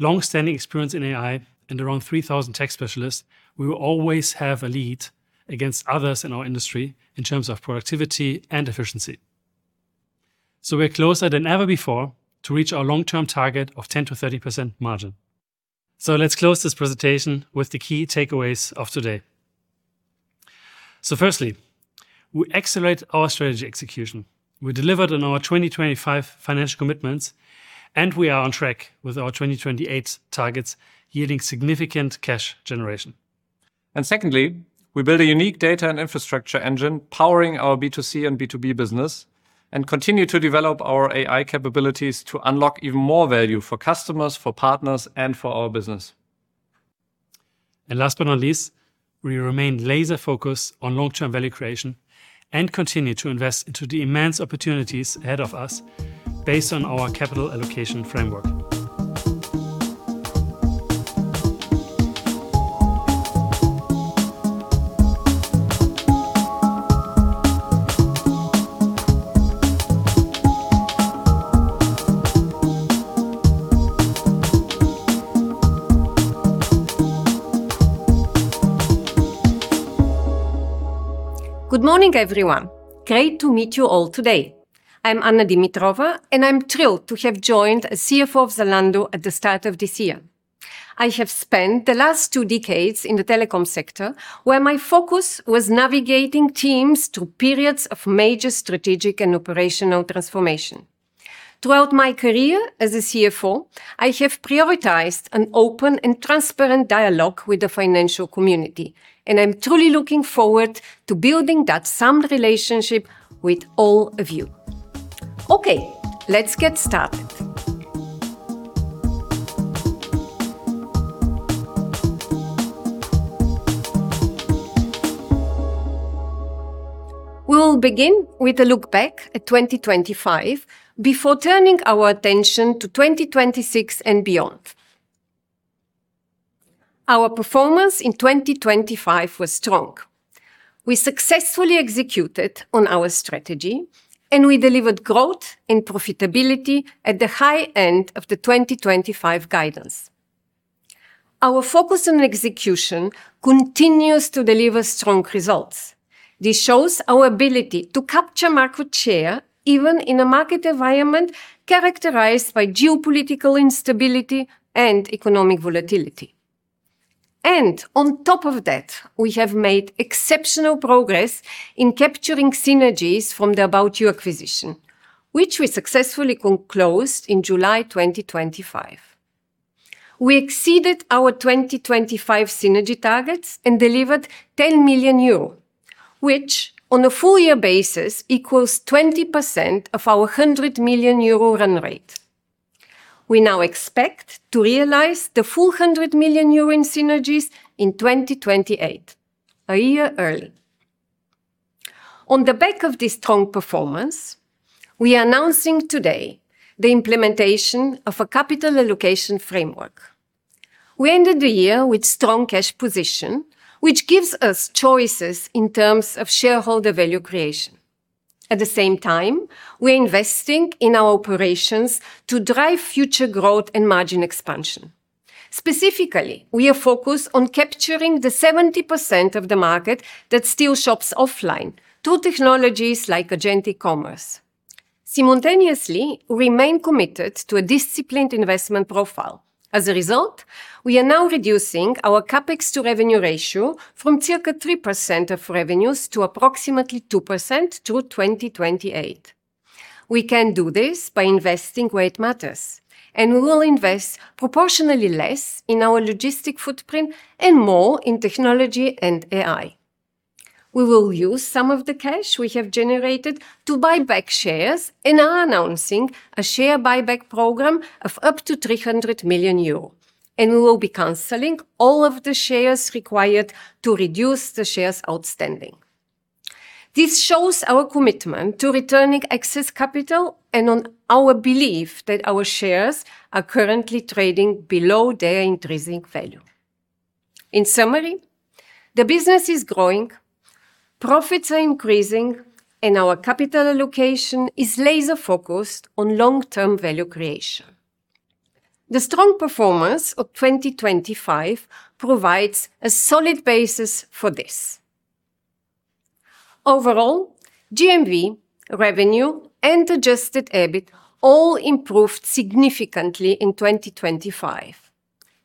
long-standing experience in AI, and around 3,000 tech specialists, we will always have a lead against others in our industry in terms of productivity and efficiency. We're closer than ever before to reach our long-term target of 10%-13% margin. Let's close this presentation with the key takeaways of today. Firstly, we accelerate our strategy execution. We delivered on our 2025 financial commitments, and we are on track with our 2028 targets yielding significant cash generation. Secondly, we build a unique data and infrastructure engine powering our B2C and B2B business and continue to develop our AI capabilities to unlock even more value for customers, for partners, and for our business. Last but not least, we remain laser-focused on long-term value creation and continue to invest into the immense opportunities ahead of us based on our capital allocation framework. Good morning, everyone. Great to meet you all today. I'm Anna Dimitrova, and I'm thrilled to have joined as CFO of Zalando at the start of this year. I have spent the last two decades in the telecom sector, where my focus was navigating teams through periods of major strategic and operational transformation. Throughout my career as a CFO, I have prioritized an open and transparent dialogue with the financial community, and I'm truly looking forward to building that same relationship with all of you. Okay, let's get started. We'll begin with a look back at 2025 before turning our attention to 2026 and beyond. Our performance in 2025 was strong. We successfully executed on our strategy, and we delivered growth and profitability at the high end of the 2025 guidance. Our focus on execution continues to deliver strong results. This shows our ability to capture market share, even in a market environment characterized by geopolitical instability and economic volatility. On top of that, we have made exceptional progress in capturing synergies from the ABOUT YOU acquisition, which we successfully closed in July 2025. We exceeded our 2025 synergy targets and delivered 10 million euro, which on a full year basis equals 20% of our 100 million euro run rate. We now expect to realize the full 100 million euro in synergies in 2028, a year early. On the back of this strong performance, we are announcing today the implementation of a capital allocation framework. We ended the year with strong cash position, which gives us choices in terms of shareholder value creation. At the same time, we're investing in our operations to drive future growth and margin expansion. Specifically, we are focused on capturing the 70% of the market that still shops offline through technologies like agent e-commerce. Simultaneously, we remain committed to a disciplined investment profile. As a result, we are now reducing our CapEx to revenue ratio from circa 3% of revenues to approximately 2% through 2028. We can do this by investing where it matters, and we will invest proportionally less in our logistics footprint and more in technology and AI. We will use some of the cash we have generated to buy back shares and are announcing a share buyback program of up to 300 million euro, and we will be canceling all of the shares required to reduce the shares outstanding. This shows our commitment to returning excess capital and in our belief that our shares are currently trading below their intrinsic value. In summary, the business is growing, profits are increasing, and our capital allocation is laser-focused on long-term value creation. The strong performance of 2025 provides a solid basis for this. Overall, GMV, revenue, and adjusted EBIT all improved significantly in 2025,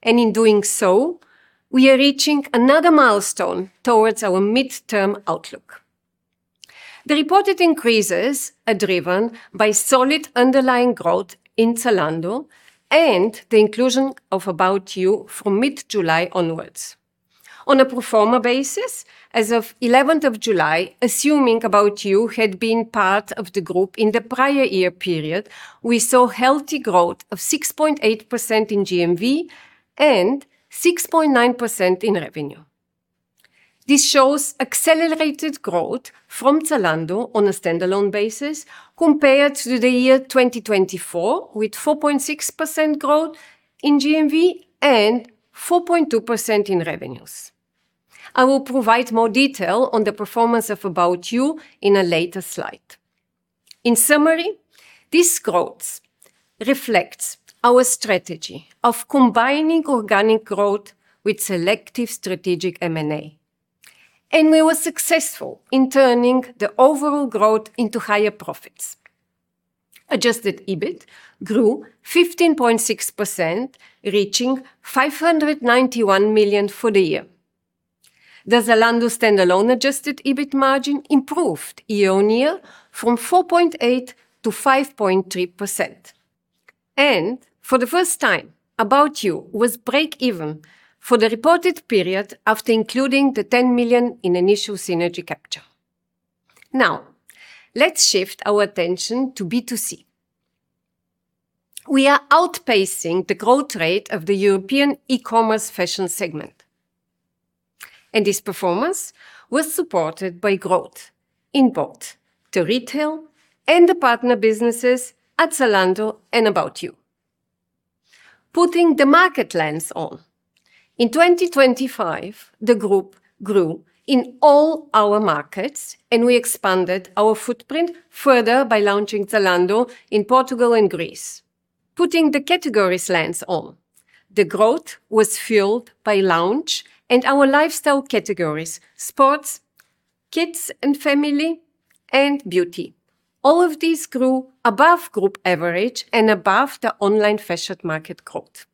and in doing so, we are reaching another milestone towards our midterm outlook. The reported increases are driven by solid underlying growth in Zalando and the inclusion of ABOUT YOU from mid-July onwards. On a pro forma basis, as of July 11, assuming ABOUT YOU had been part of the Group in the prior year period, we saw healthy growth of 6.8% in GMV and 6.9% in revenue. This shows accelerated growth from Zalando on a standalone basis compared to the year 2024, with 4.6% growth in GMV and 4.2% in revenues. I will provide more detail on the performance of ABOUT YOU in a later slide. In summary, this growth reflects our strategy of combining organic growth with selective strategic M&A, and we were successful in turning the overall growth into higher profits. Adjusted EBIT grew 15.6%, reaching 591 million for the year. The Zalando standalone adjusted EBIT margin improved year-on-year from 4.8% to 5.3%. For the first time, ABOUT YOU was break even for the reported period after including the 10 million in initial synergy capture. Now, let's shift our attention to B2C. We are outpacing the growth rate of the European e-commerce fashion segment, and this performance was supported by growth in both the retail and the partner businesses at Zalando and ABOUT YOU. Putting the market lens on, in 2025, the Group grew in all our markets, and we expanded our footprint further by launching Zalando in Portugal and Greece. Putting the categories lens on, the growth was fueled by lounge and our lifestyle categories, sports, kids and family, and beauty. All of these grew above group average and above the online fashion market growth.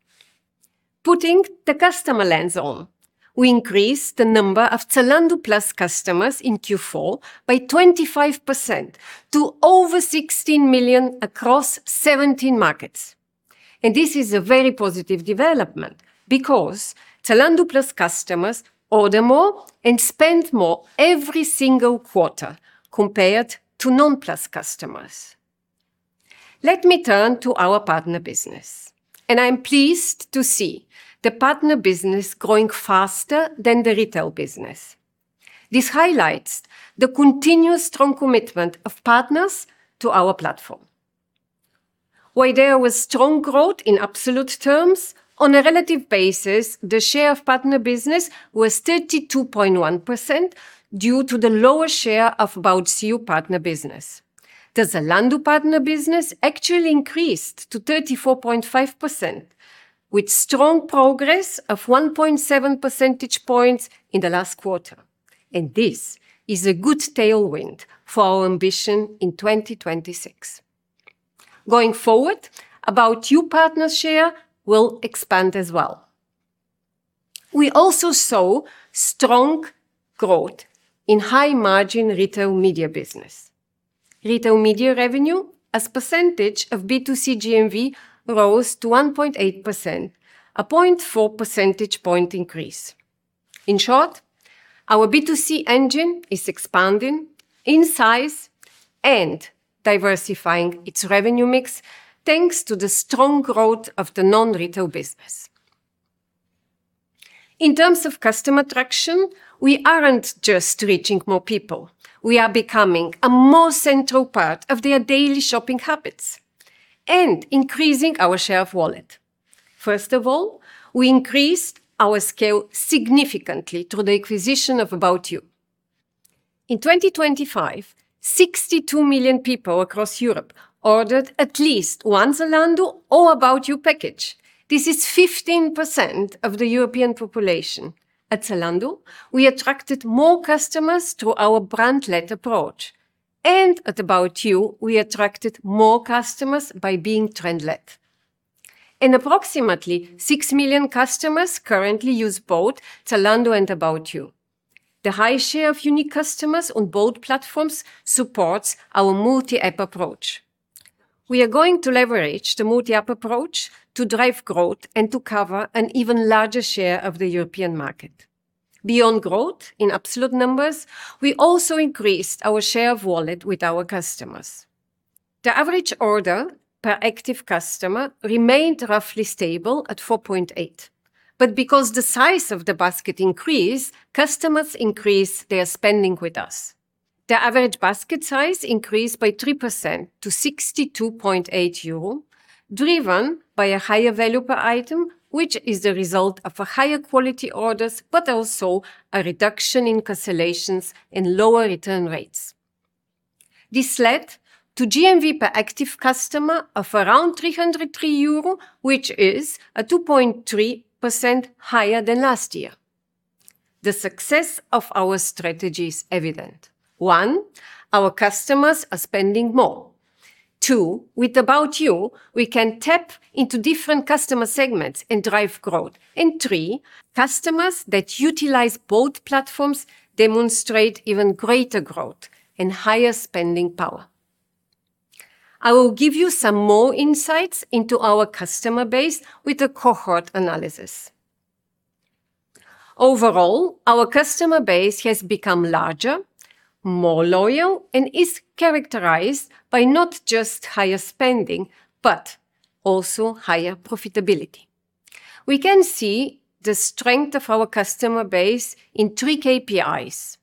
Putting the customer lens on, we increased the number of Zalando Plus customers in Q4 by 25% to over 16 million across 17 markets. This is a very positive development because Zalando Plus customers order more and spend more every single quarter compared to non-Plus customers. Let me turn to our partner business, and I'm pleased to see the partner business growing faster than the retail business. This highlights the continuous strong commitment of partners to our platform. While there was strong growth in absolute terms, on a relative basis, the share of partner business was 32.1% due to the lower share of ABOUT YOU partner business. The Zalando partner business actually increased to 34.5%, with strong progress of 1.7 percentage points in the last quarter, and this is a good tailwind for our ambition in 2026. Going forward, ABOUT YOU partner share will expand as well. We also saw strong growth in high-margin retail media business. Retail media revenue as percentage of B2C GMV rose to 1.8%, a 0.4 percentage point increase. In short, our B2C engine is expanding in size and diversifying its revenue mix, thanks to the strong growth of the non-retail business. In terms of customer traction, we aren't just reaching more people, we are becoming a more central part of their daily shopping habits and increasing our share of wallet. First of all, we increased our scale significantly through the acquisition of ABOUT YOU. In 2025, 62 million people across Europe ordered at least one Zalando or ABOUT YOU package. This is 15% of the European population. At Zalando, we attracted more customers to our brand-led approach, and at ABOUT YOU, we attracted more customers by being trend-led. Approximately 6 million customers currently use both Zalando and ABOUT YOU. The high share of unique customers on both platforms supports our multi-app approach. We are going to leverage the multi-app approach to drive growth and to cover an even larger share of the European market. Beyond growth in absolute numbers, we also increased our share of wallet with our customers. The average order per active customer remained roughly stable at 4.8. Because the size of the basket increased, customers increased their spending with us. The average basket size increased by 3% to 62.8 euro, driven by a higher value per item, which is the result of a higher quality orders, but also a reduction in cancellations and lower return rates. This led to GMV per active customer of around 303 euro, which is 2.3% higher than last year. The success of our strategy is evident. One, our customers are spending more. Two, with ABOUT YOU, we can tap into different customer segments and drive growth. Three, customers that utilize both platforms demonstrate even greater growth and higher spending power. I will give you some more insights into our customer base with a cohort analysis. Overall, our customer base has become larger, more loyal, and is characterized by not just higher spending, but also higher profitability. We can see the strength of our customer base in three KPIs.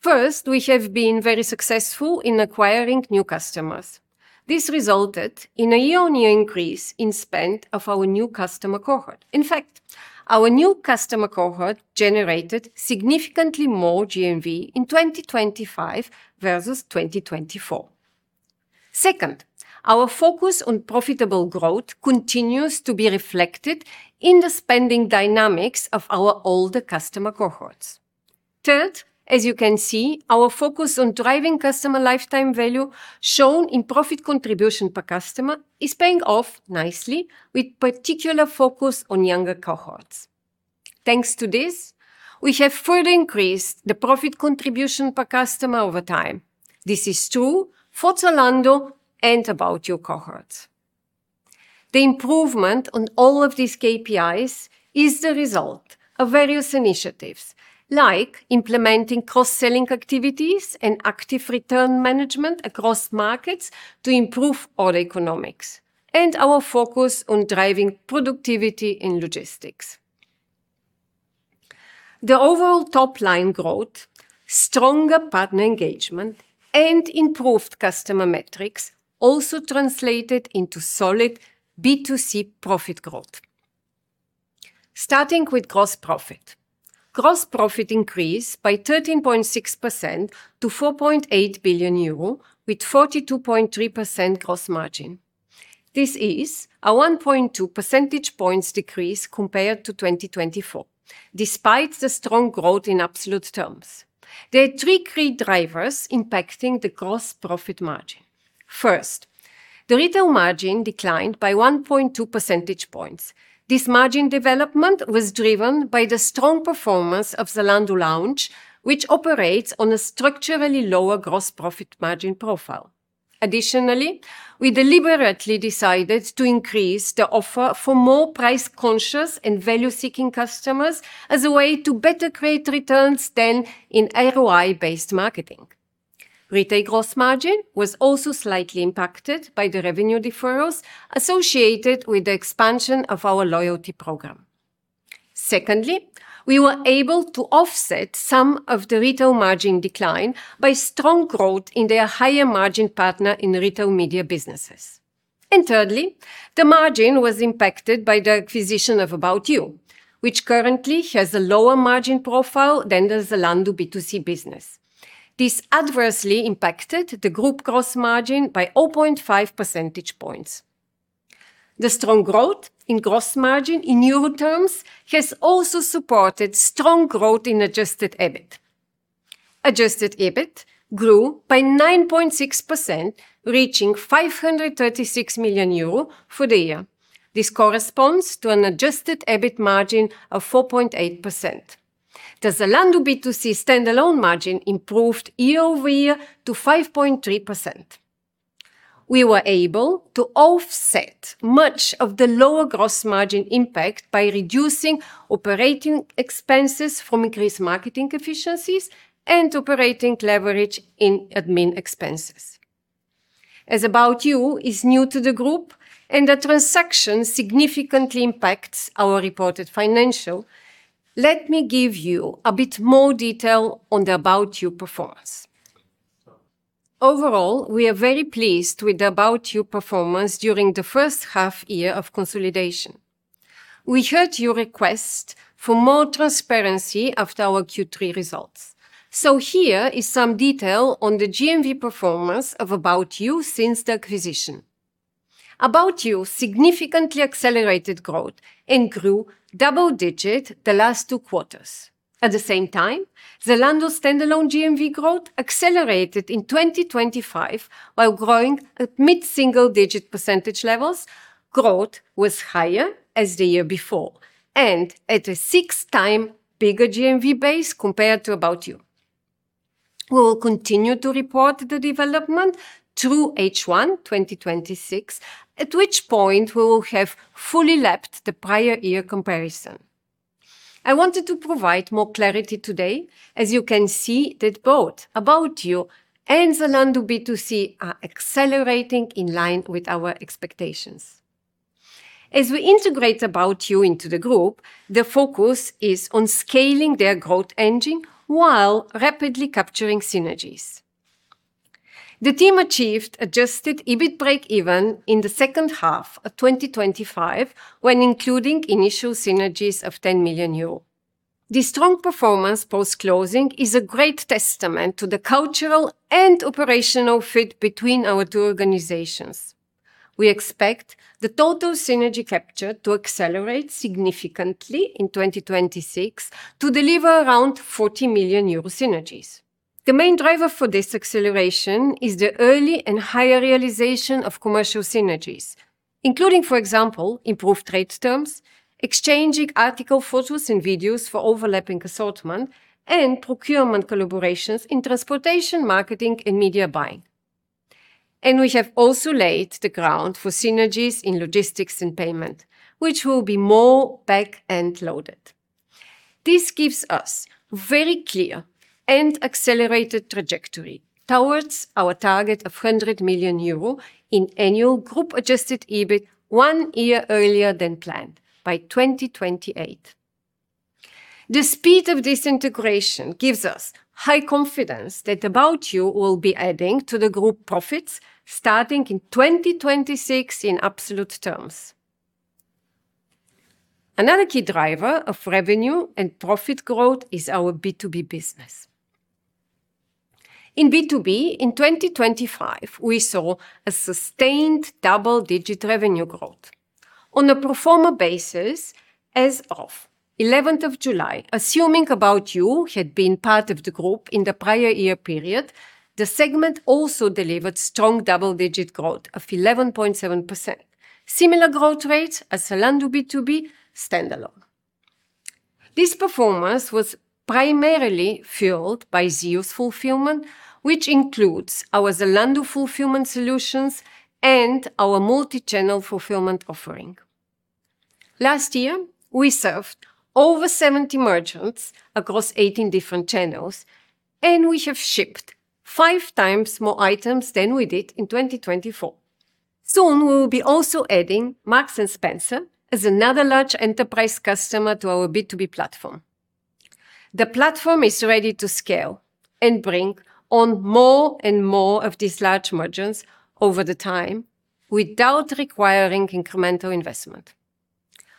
First, we have been very successful in acquiring new customers. This resulted in a year-on-year increase in spend of our new customer cohort. In fact, our new customer cohort generated significantly more GMV in 2025 versus 2024. Second, our focus on profitable growth continues to be reflected in the spending dynamics of our older customer cohorts. Third, as you can see, our focus on driving customer lifetime value shown in profit contribution per customer is paying off nicely with particular focus on younger cohorts. Thanks to this, we have further increased the profit contribution per customer over time. This is true for Zalando and ABOUT YOU cohorts. The improvement on all of these KPIs is the result of various initiatives, like implementing cross-selling activities and active return management across markets to improve order economics, and our focus on driving productivity in logistics. The overall top-line growth, stronger partner engagement, and improved customer metrics also translated into solid B2C profit growth. Starting with gross profit. Gross profit increased by 13.6% to 4.8 billion euro, with 42.3% gross margin. This is a 1.2 percentage points decrease compared to 2024, despite the strong growth in absolute terms. There are three key drivers impacting the gross profit margin. First, the retail margin declined by 1.2 percentage points. This margin development was driven by the strong performance of Lounge by Zalando, which operates on a structurally lower gross profit margin profile. Additionally, we deliberately decided to increase the offer for more price conscious and value-seeking customers as a way to better create returns than in ROI-based marketing. Retail gross margin was also slightly impacted by the revenue deferrals associated with the expansion of our loyalty program. Secondly, we were able to offset some of the retail margin decline by strong growth in our higher-margin partner and retail media businesses. Thirdly, the margin was impacted by the acquisition of ABOUT YOU, which currently has a lower margin profile than the Zalando B2C business. This adversely impacted the group gross margin by 0.5 percentage points. The strong growth in gross margin in Euro terms has also supported strong growth in adjusted EBIT. Adjusted EBIT grew by 9.6%, reaching 536 million euro for the year. This corresponds to an adjusted EBIT margin of 4.8%. The Zalando B2C standalone margin improved year-over-year to 5.3%. We were able to offset much of the lower gross margin impact by reducing operating expenses from increased marketing efficiencies and operating leverage in admin expenses. As ABOUT YOU is new to the group and the transaction significantly impacts our reported financials, let me give you a bit more detail on the ABOUT YOU performance. Overall, we are very pleased with the ABOUT YOU performance during the first half year of consolidation. We heard your request for more transparency after our Q3 results. Here is some detail on the GMV performance of ABOUT YOU since the acquisition. ABOUT YOU significantly accelerated growth and grew double digit the last two quarters. At the same time, Zalando standalone GMV growth accelerated in 2025, while growing at mid-single digit percentage levels, growth was higher than the year before, and at a six times bigger GMV base compared to ABOUT YOU. We will continue to report the development through H1 2026, at which point we will have fully lapped the prior year comparison. I wanted to provide more clarity today, as you can see that both ABOUT YOU and Zalando B2C are accelerating in line with our expectations. As we integrate ABOUT YOU into the group, the focus is on scaling their growth engine while rapidly capturing synergies. The team achieved adjusted EBIT breakeven in the second half of 2025 when including initial synergies of 10 million euro. This strong performance post-closing is a great testament to the cultural and operational fit between our two organizations. We expect the total synergy capture to accelerate significantly in 2026 to deliver around 40 million euro synergies. The main driver for this acceleration is the early and higher realization of commercial synergies, including, for example, improved trade terms, exchanging article photos and videos for overlapping assortment, and procurement collaborations in transportation, marketing, and media buying. We have also laid the ground for synergies in logistics and payment, which will be more back-end loaded. This gives us very clear and accelerated trajectory towards our target of 100 million euro in annual group adjusted EBIT one year earlier than planned, by 2028. The speed of this integration gives us high confidence that ABOUT YOU will be adding to the group profits starting in 2026 in absolute terms. Another key driver of revenue and profit growth is our B2B business. In B2B, in 2025, we saw a sustained double-digit revenue growth. On a pro forma basis, as of 11th of July, assuming ABOUT YOU had been part of the group in the prior year period, the segment also delivered strong double-digit growth of 11.7%. Similar growth rate as Zalando B2B standalone. This performance was primarily fueled by ZEOS Fulfillment, which includes our Zalando Fulfillment Solutions and our multi-channel fulfillment offering. Last year, we served over 70 merchants across 18 different channels, and we have shipped 5 times more items than we did in 2024. Soon, we will be also adding Marks & Spencer as another large enterprise customer to our B2B platform. The platform is ready to scale and bring on more and more of these large merchants over time without requiring incremental investment.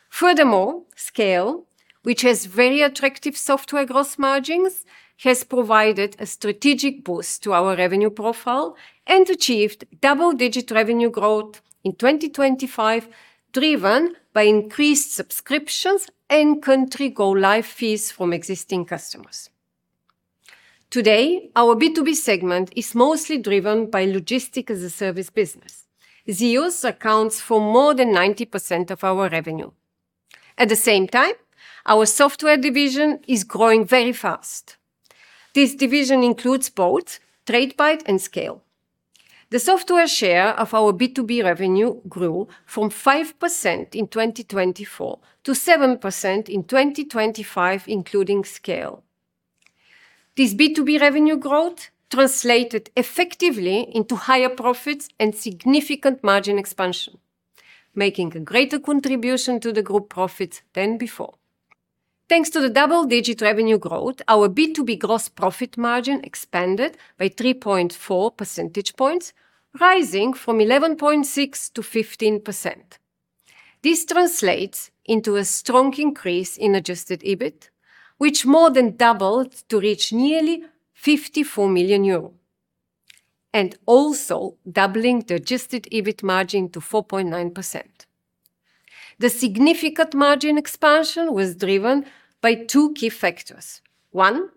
Furthermore, SCAYLE, which has very attractive software gross margins, has provided a strategic boost to our revenue profile and achieved double-digit revenue growth in 2025, driven by increased subscriptions and country go live fees from existing customers. Today, our B2B segment is mostly driven by logistics-as-a-service business. ZEOS accounts for more than 90% of our revenue. At the same time, our software division is growing very fast. This division includes both Tradebyte and SCAYLE. The software share of our B2B revenue grew from 5% in 2024 to 7% in 2025, including SCAYLE. This B2B revenue growth translated effectively into higher profits and significant margin expansion, making a greater contribution to the group profits than before. Thanks to the double-digit revenue growth, our B2B gross profit margin expanded by 3.4 percentage points, rising from 11.6% to 15%. This translates into a strong increase in adjusted EBIT, which more than doubled to reach nearly 54 million euros, and also doubling the adjusted EBIT margin to 4.9%. The significant margin expansion was driven by two key factors. One,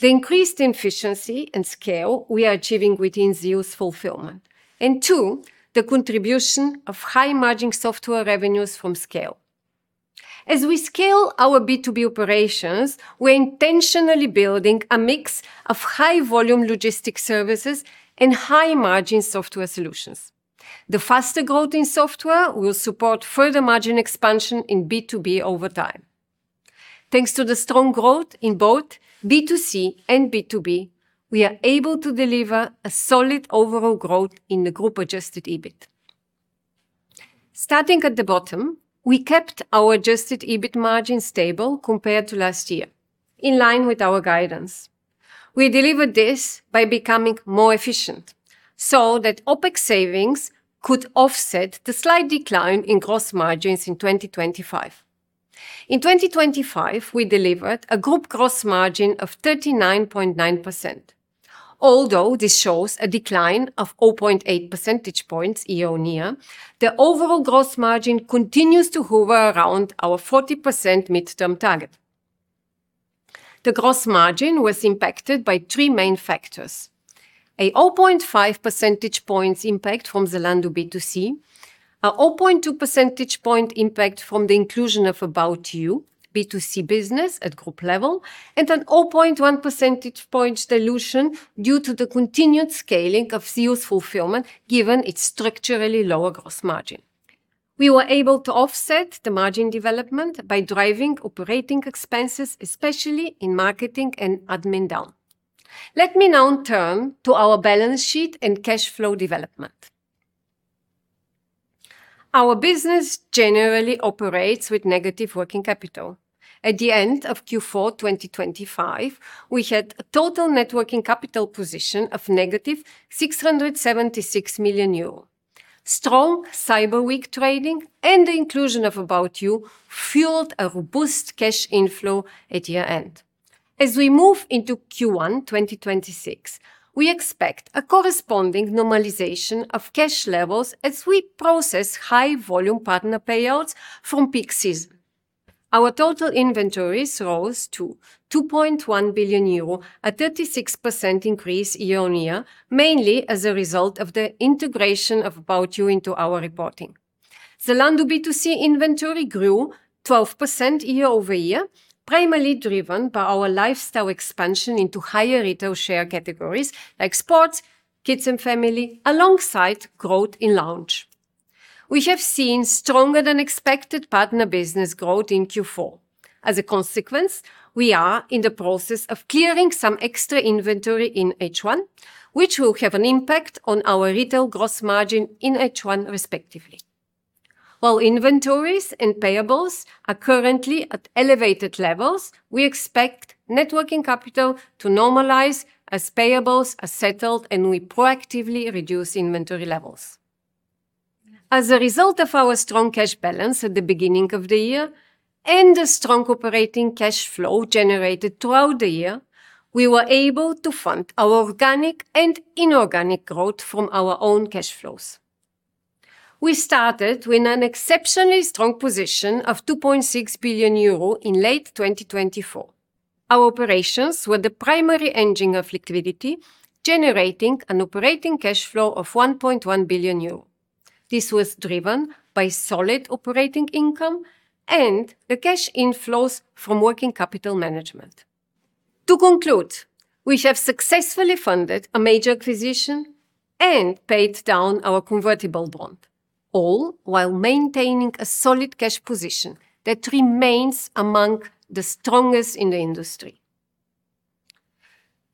the increased efficiency and scale we are achieving within ZEOS Fulfillment. Two, the contribution of high-margin software revenues from SCAYLE. As we scale our B2B operations, we're intentionally building a mix of high-volume logistic services and high-margin software solutions. The faster growth in software will support further margin expansion in B2B over time. Thanks to the strong growth in both B2C and B2B, we are able to deliver a solid overall growth in the group adjusted EBIT. Starting at the bottom, we kept our adjusted EBIT margin stable compared to last year, in line with our guidance. We delivered this by becoming more efficient so that OpEx savings could offset the slight decline in gross margins in 2025. In 2025, we delivered a group gross margin of 39.9%. Although this shows a decline of 0.8 percentage points year-on-year, the overall gross margin continues to hover around our 40% midterm target. The gross margin was impacted by three main factors. A 0.5 percentage points impact from Zalando B2C, a 0.2 percentage point impact from the inclusion of ABOUT YOU B2C business at group level, and an 0.1 percentage points dilution due to the continued scaling of ZEOS Fulfillment given its structurally lower gross margin. We were able to offset the margin development by driving operating expenses, especially in marketing and admin down. Let me now turn to our balance sheet and cash flow development. Our business generally operates with negative working capital. At the end of Q4 2025, we had a total net working capital position of negative 676 million euro. Strong Cyber Week trading and the inclusion of ABOUT YOU fueled a robust cash inflow at year-end. As we move into Q1 2026, we expect a corresponding normalization of cash levels as we process high volume partner payouts from peak season. Our total inventories rose to 2.1 billion euro, a 36% increase year-over-year, mainly as a result of the integration of ABOUT YOU into our reporting. Zalando B2C inventory grew 12% year-over-year, primarily driven by our lifestyle expansion into higher retail share categories like sports, kids and family, alongside growth in lounge. We have seen stronger than expected partner business growth in Q4. As a consequence, we are in the process of clearing some extra inventory in H1, which will have an impact on our retail gross margin in H1 respectively. While inventories and payables are currently at elevated levels, we expect net working capital to normalize as payables are settled and we proactively reduce inventory levels. As a result of our strong cash balance at the beginning of the year and the strong operating cash flow generated throughout the year, we were able to fund our organic and inorganic growth from our own cash flows. We started with an exceptionally strong position of 2.6 billion euro in late 2024. Our operations were the primary engine of liquidity, generating an operating cash flow of 1.1 billion euro. This was driven by solid operating income and the cash inflows from working capital management. To conclude, we have successfully funded a major acquisition and paid down our convertible bond, all while maintaining a solid cash position that remains among the strongest in the industry.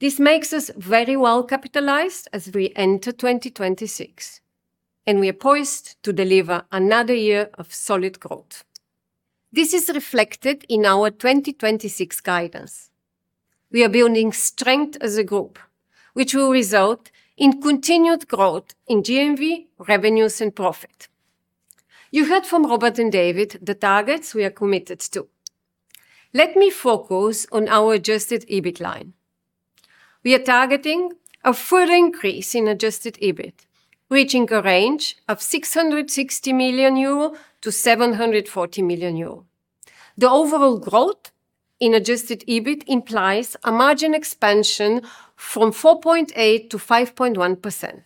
This makes us very well capitalized as we enter 2026, and we are poised to deliver another year of solid growth. This is reflected in our 2026 guidance. We are building strength as a group, which will result in continued growth in GMV, revenues, and profit. You heard from Robert and David the targets we are committed to. Let me focus on our adjusted EBIT line. We are targeting a further increase in adjusted EBIT, reaching a range of 660 million-740 million euro. The overall growth in adjusted EBIT implies a margin expansion from 4.8%-5.1%.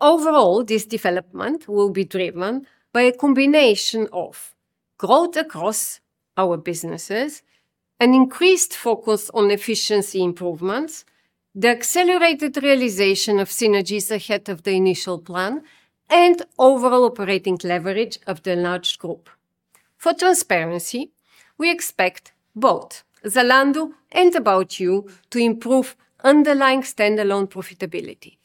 Overall, this development will be driven by a combination of growth across our businesses, an increased focus on efficiency improvements, the accelerated realization of synergies ahead of the initial plan, and overall operating leverage of the large group. For transparency, we expect both Zalando and ABOUT YOU to improve underlying standalone profitability.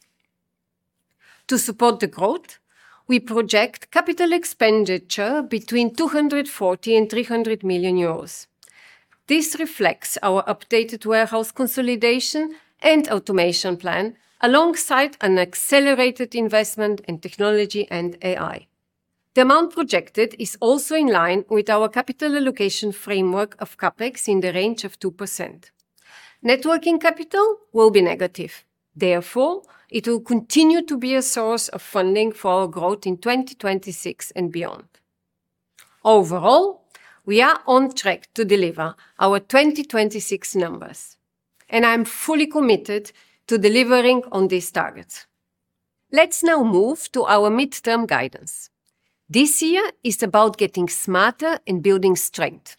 To support the growth, we project capital expenditure between 240 million and 300 million euros. This reflects our updated warehouse consolidation and automation plan alongside an accelerated investment in technology and AI. The amount projected is also in line with our capital allocation framework of CapEx in the range of 2%. Net working capital will be negative. Therefore, it will continue to be a source of funding for our growth in 2026 and beyond. Overall, we are on track to deliver our 2026 numbers, and I'm fully committed to delivering on these targets. Let's now move to our midterm guidance. This year is about getting smarter and building strength.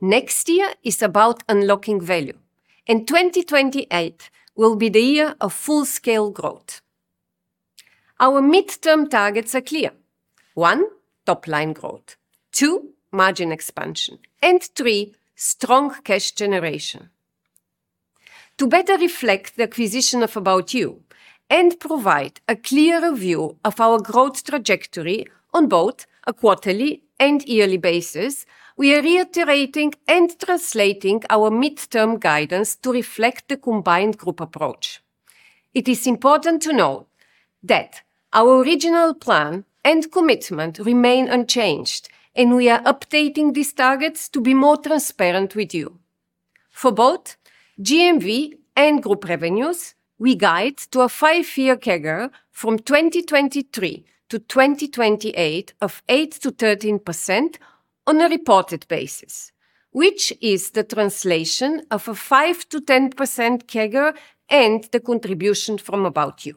Next year is about unlocking value. 2028 will be the year of full scale growth. Our midterm targets are clear. One, top line growth, two, margin expansion, and three, strong cash generation. To better reflect the acquisition of ABOUT YOU and provide a clearer view of our growth trajectory on both a quarterly and yearly basis, we are reiterating and translating our midterm guidance to reflect the combined group approach. It is important to know that our original plan and commitment remain unchanged, and we are updating these targets to be more transparent with you. For both GMV and group revenues, we guide to a five-year CAGR from 2023 to 2028 of 8%-13% on a reported basis, which is the translation of a 5%-10% CAGR and the contribution from ABOUT YOU.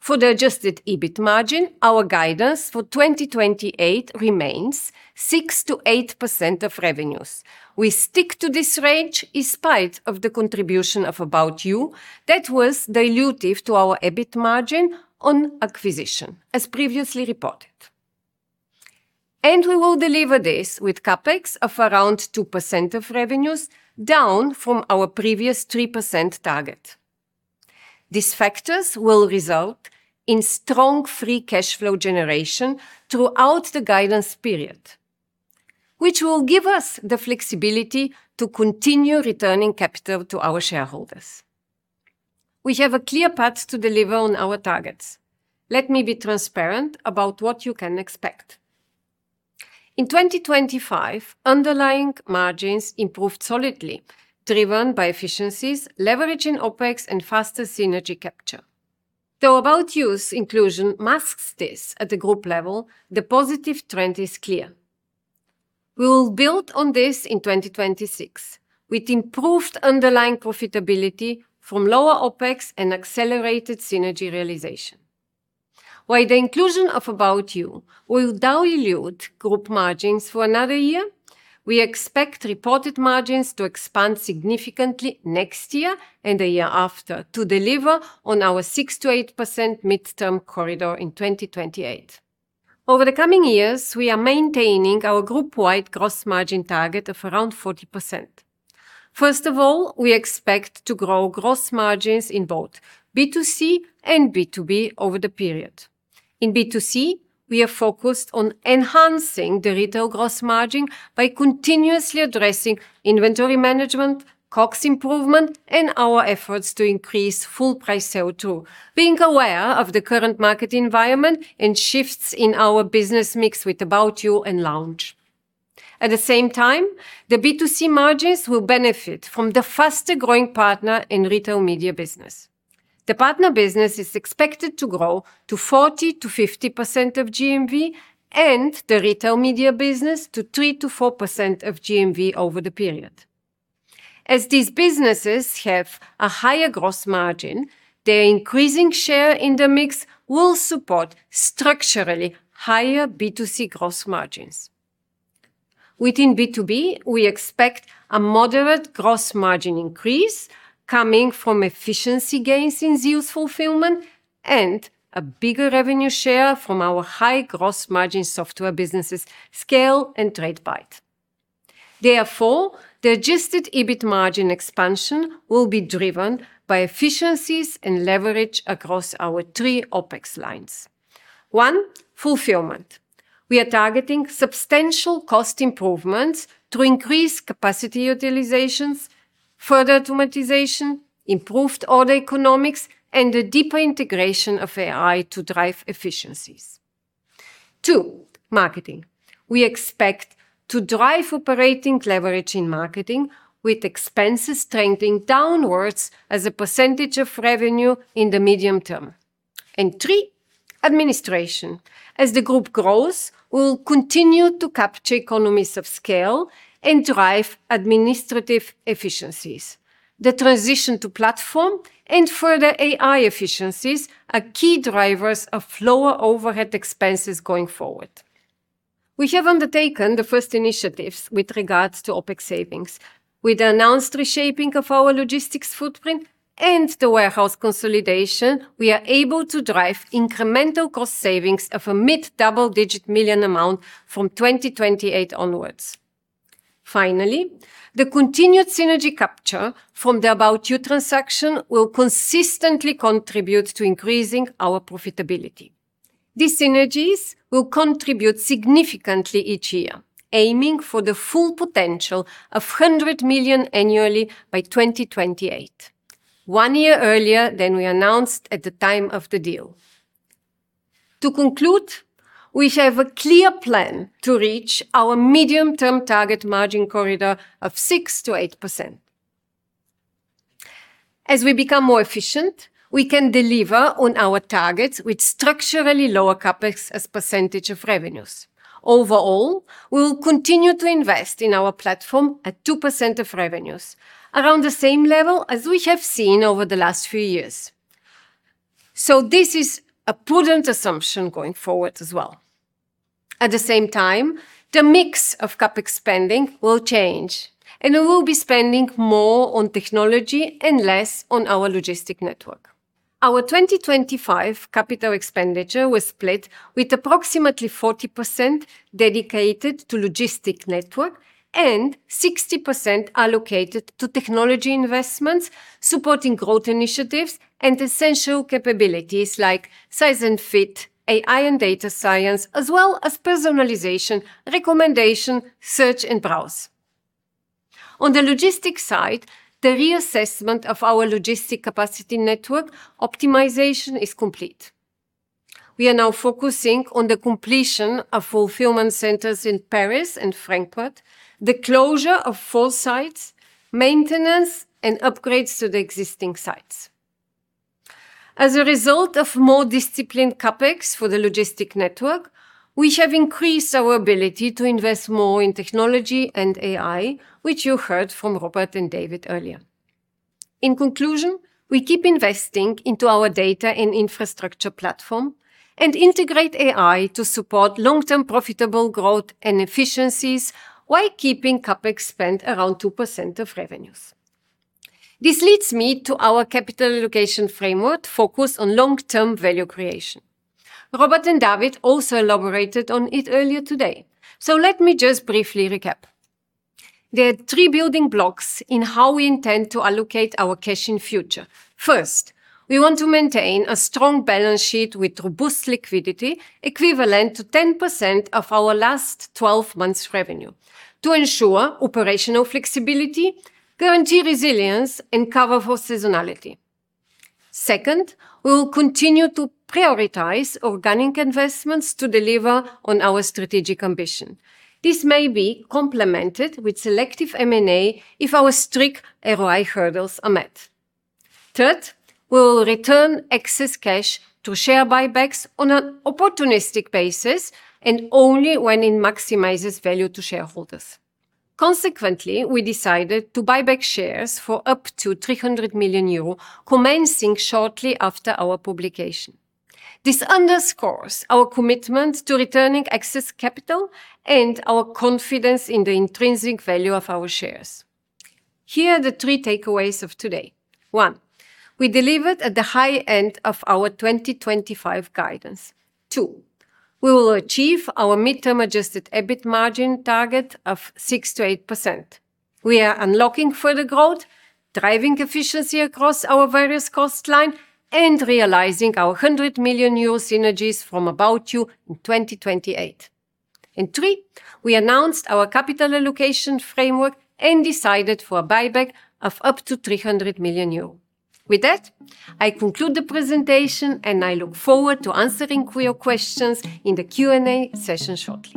For the adjusted EBIT margin, our guidance for 2028 remains 6%-8% of revenues. We stick to this range in spite of the contribution of ABOUT YOU that was dilutive to our EBIT margin on acquisition, as previously reported. We will deliver this with CapEx of around 2% of revenues, down from our previous 3% target. These factors will result in strong free cash flow generation throughout the guidance period, which will give us the flexibility to continue returning capital to our shareholders. We have a clear path to deliver on our targets. Let me be transparent about what you can expect. In 2025, underlying margins improved solidly, driven by efficiencies, leverage in OpEx, and faster synergy capture. Though ABOUT YOU's inclusion masks this at the group level, the positive trend is clear. We will build on this in 2026 with improved underlying profitability from lower OpEx and accelerated synergy realization. While the inclusion of ABOUT YOU will dilute group margins for another year, we expect reported margins to expand significantly next year and the year after to deliver on our 6%-8% midterm corridor in 2028. Over the coming years, we are maintaining our group-wide gross margin target of around 40%. First of all, we expect to grow gross margins in both B2C and B2B over the period. In B2C, we are focused on enhancing the retail gross margin by continuously addressing inventory management, COGS improvement, and our efforts to increase full price sell through, being aware of the current market environment and shifts in our business mix with ABOUT YOU and Lounge. At the same time, the B2C margins will benefit from the faster-growing partner and retail media business. The partner business is expected to grow to 40%-50% of GMV and the retail media business to 3%-4% of GMV over the period. As these businesses have a higher gross margin, their increasing share in the mix will support structurally higher B2C gross margins. Within B2B, we expect a moderate gross margin increase coming from efficiency gains in ZEOS fulfillment and a bigger revenue share from our high gross margin software businesses, SCAYLE and Tradebyte. Therefore, the adjusted EBIT margin expansion will be driven by efficiencies and leverage across our 3 OpEx lines. One, fulfillment. We are targeting substantial cost improvements to increase capacity utilizations, further automatization, improved order economics, and a deeper integration of AI to drive efficiencies. Two, marketing. We expect to drive operating leverage in marketing with expenses trending downwards as a percentage of revenue in the medium term. Three, administration. As the group grows, we will continue to capture economies of scale and drive administrative efficiencies. The transition to platform and further AI efficiencies are key drivers of lower overhead expenses going forward. We have undertaken the first initiatives with regards to OpEx savings. With the announced reshaping of our logistics footprint and the warehouse consolidation, we are able to drive incremental cost savings of EUR mid-double-digit million from 2028 onwards. Finally, the continued synergy capture from the ABOUT YOU transaction will consistently contribute to increasing our profitability. These synergies will contribute significantly each year, aiming for the full potential of 100 million annually by 2028, one year earlier than we announced at the time of the deal. To conclude, we have a clear plan to reach our medium-term target margin corridor of 6%-8%. As we become more efficient, we can deliver on our targets with structurally lower CapEx as percentage of revenues. Overall, we will continue to invest in our platform at 2% of revenues, around the same level as we have seen over the last few years. This is a prudent assumption going forward as well. At the same time, the mix of CapEx spending will change, and we will be spending more on technology and less on our logistics network. Our 2025 capital expenditure was split with approximately 40% dedicated to logistics network and 60% allocated to technology investments, supporting growth initiatives and essential capabilities like size and fit, AI and data science, as well as personalization, recommendation, search, and browse. On the logistics side, the reassessment of our logistics capacity network optimization is complete. We are now focusing on the completion of fulfillment centers in Paris and Frankfurt, the closure of 4 sites, maintenance, and upgrades to the existing sites. As a result of more disciplined CapEx for the logistics network, we have increased our ability to invest more in technology and AI, which you heard from Robert and David earlier. In conclusion, we keep investing into our data and infrastructure platform and integrate AI to support long-term profitable growth and efficiencies while keeping CapEx spend around 2% of revenues. This leads me to our capital allocation framework focused on long-term value creation. Robert and David also elaborated on it earlier today. Let me just briefly recap. There are three building blocks in how we intend to allocate our cash in future. First, we want to maintain a strong balance sheet with robust liquidity equivalent to 10% of our last twelve months' revenue to ensure operational flexibility, guarantee resilience, and cover for seasonality. Second, we will continue to prioritize organic investments to deliver on our strategic ambition. This may be complemented with selective M&A if our strict ROI hurdles are met. Third, we will return excess cash to share buybacks on an opportunistic basis and only when it maximizes value to shareholders. Consequently, we decided to buy back shares for up to 300 million euro commencing shortly after our publication. This underscores our commitment to returning excess capital and our confidence in the intrinsic value of our shares. Here are the three takeaways of today. One, we delivered at the high end of our 2025 guidance. Two, we will achieve our midterm adjusted EBIT margin target of 6%-8%. We are unlocking further growth, driving efficiency across our various cost line, and realizing our 100 million euro new synergies from ABOUT YOU in 2028. Three, we announced our capital allocation framework and decided for a buyback of up to 300 million euros. With that, I conclude the presentation, and I look forward to answering your questions in the Q&A session shortly.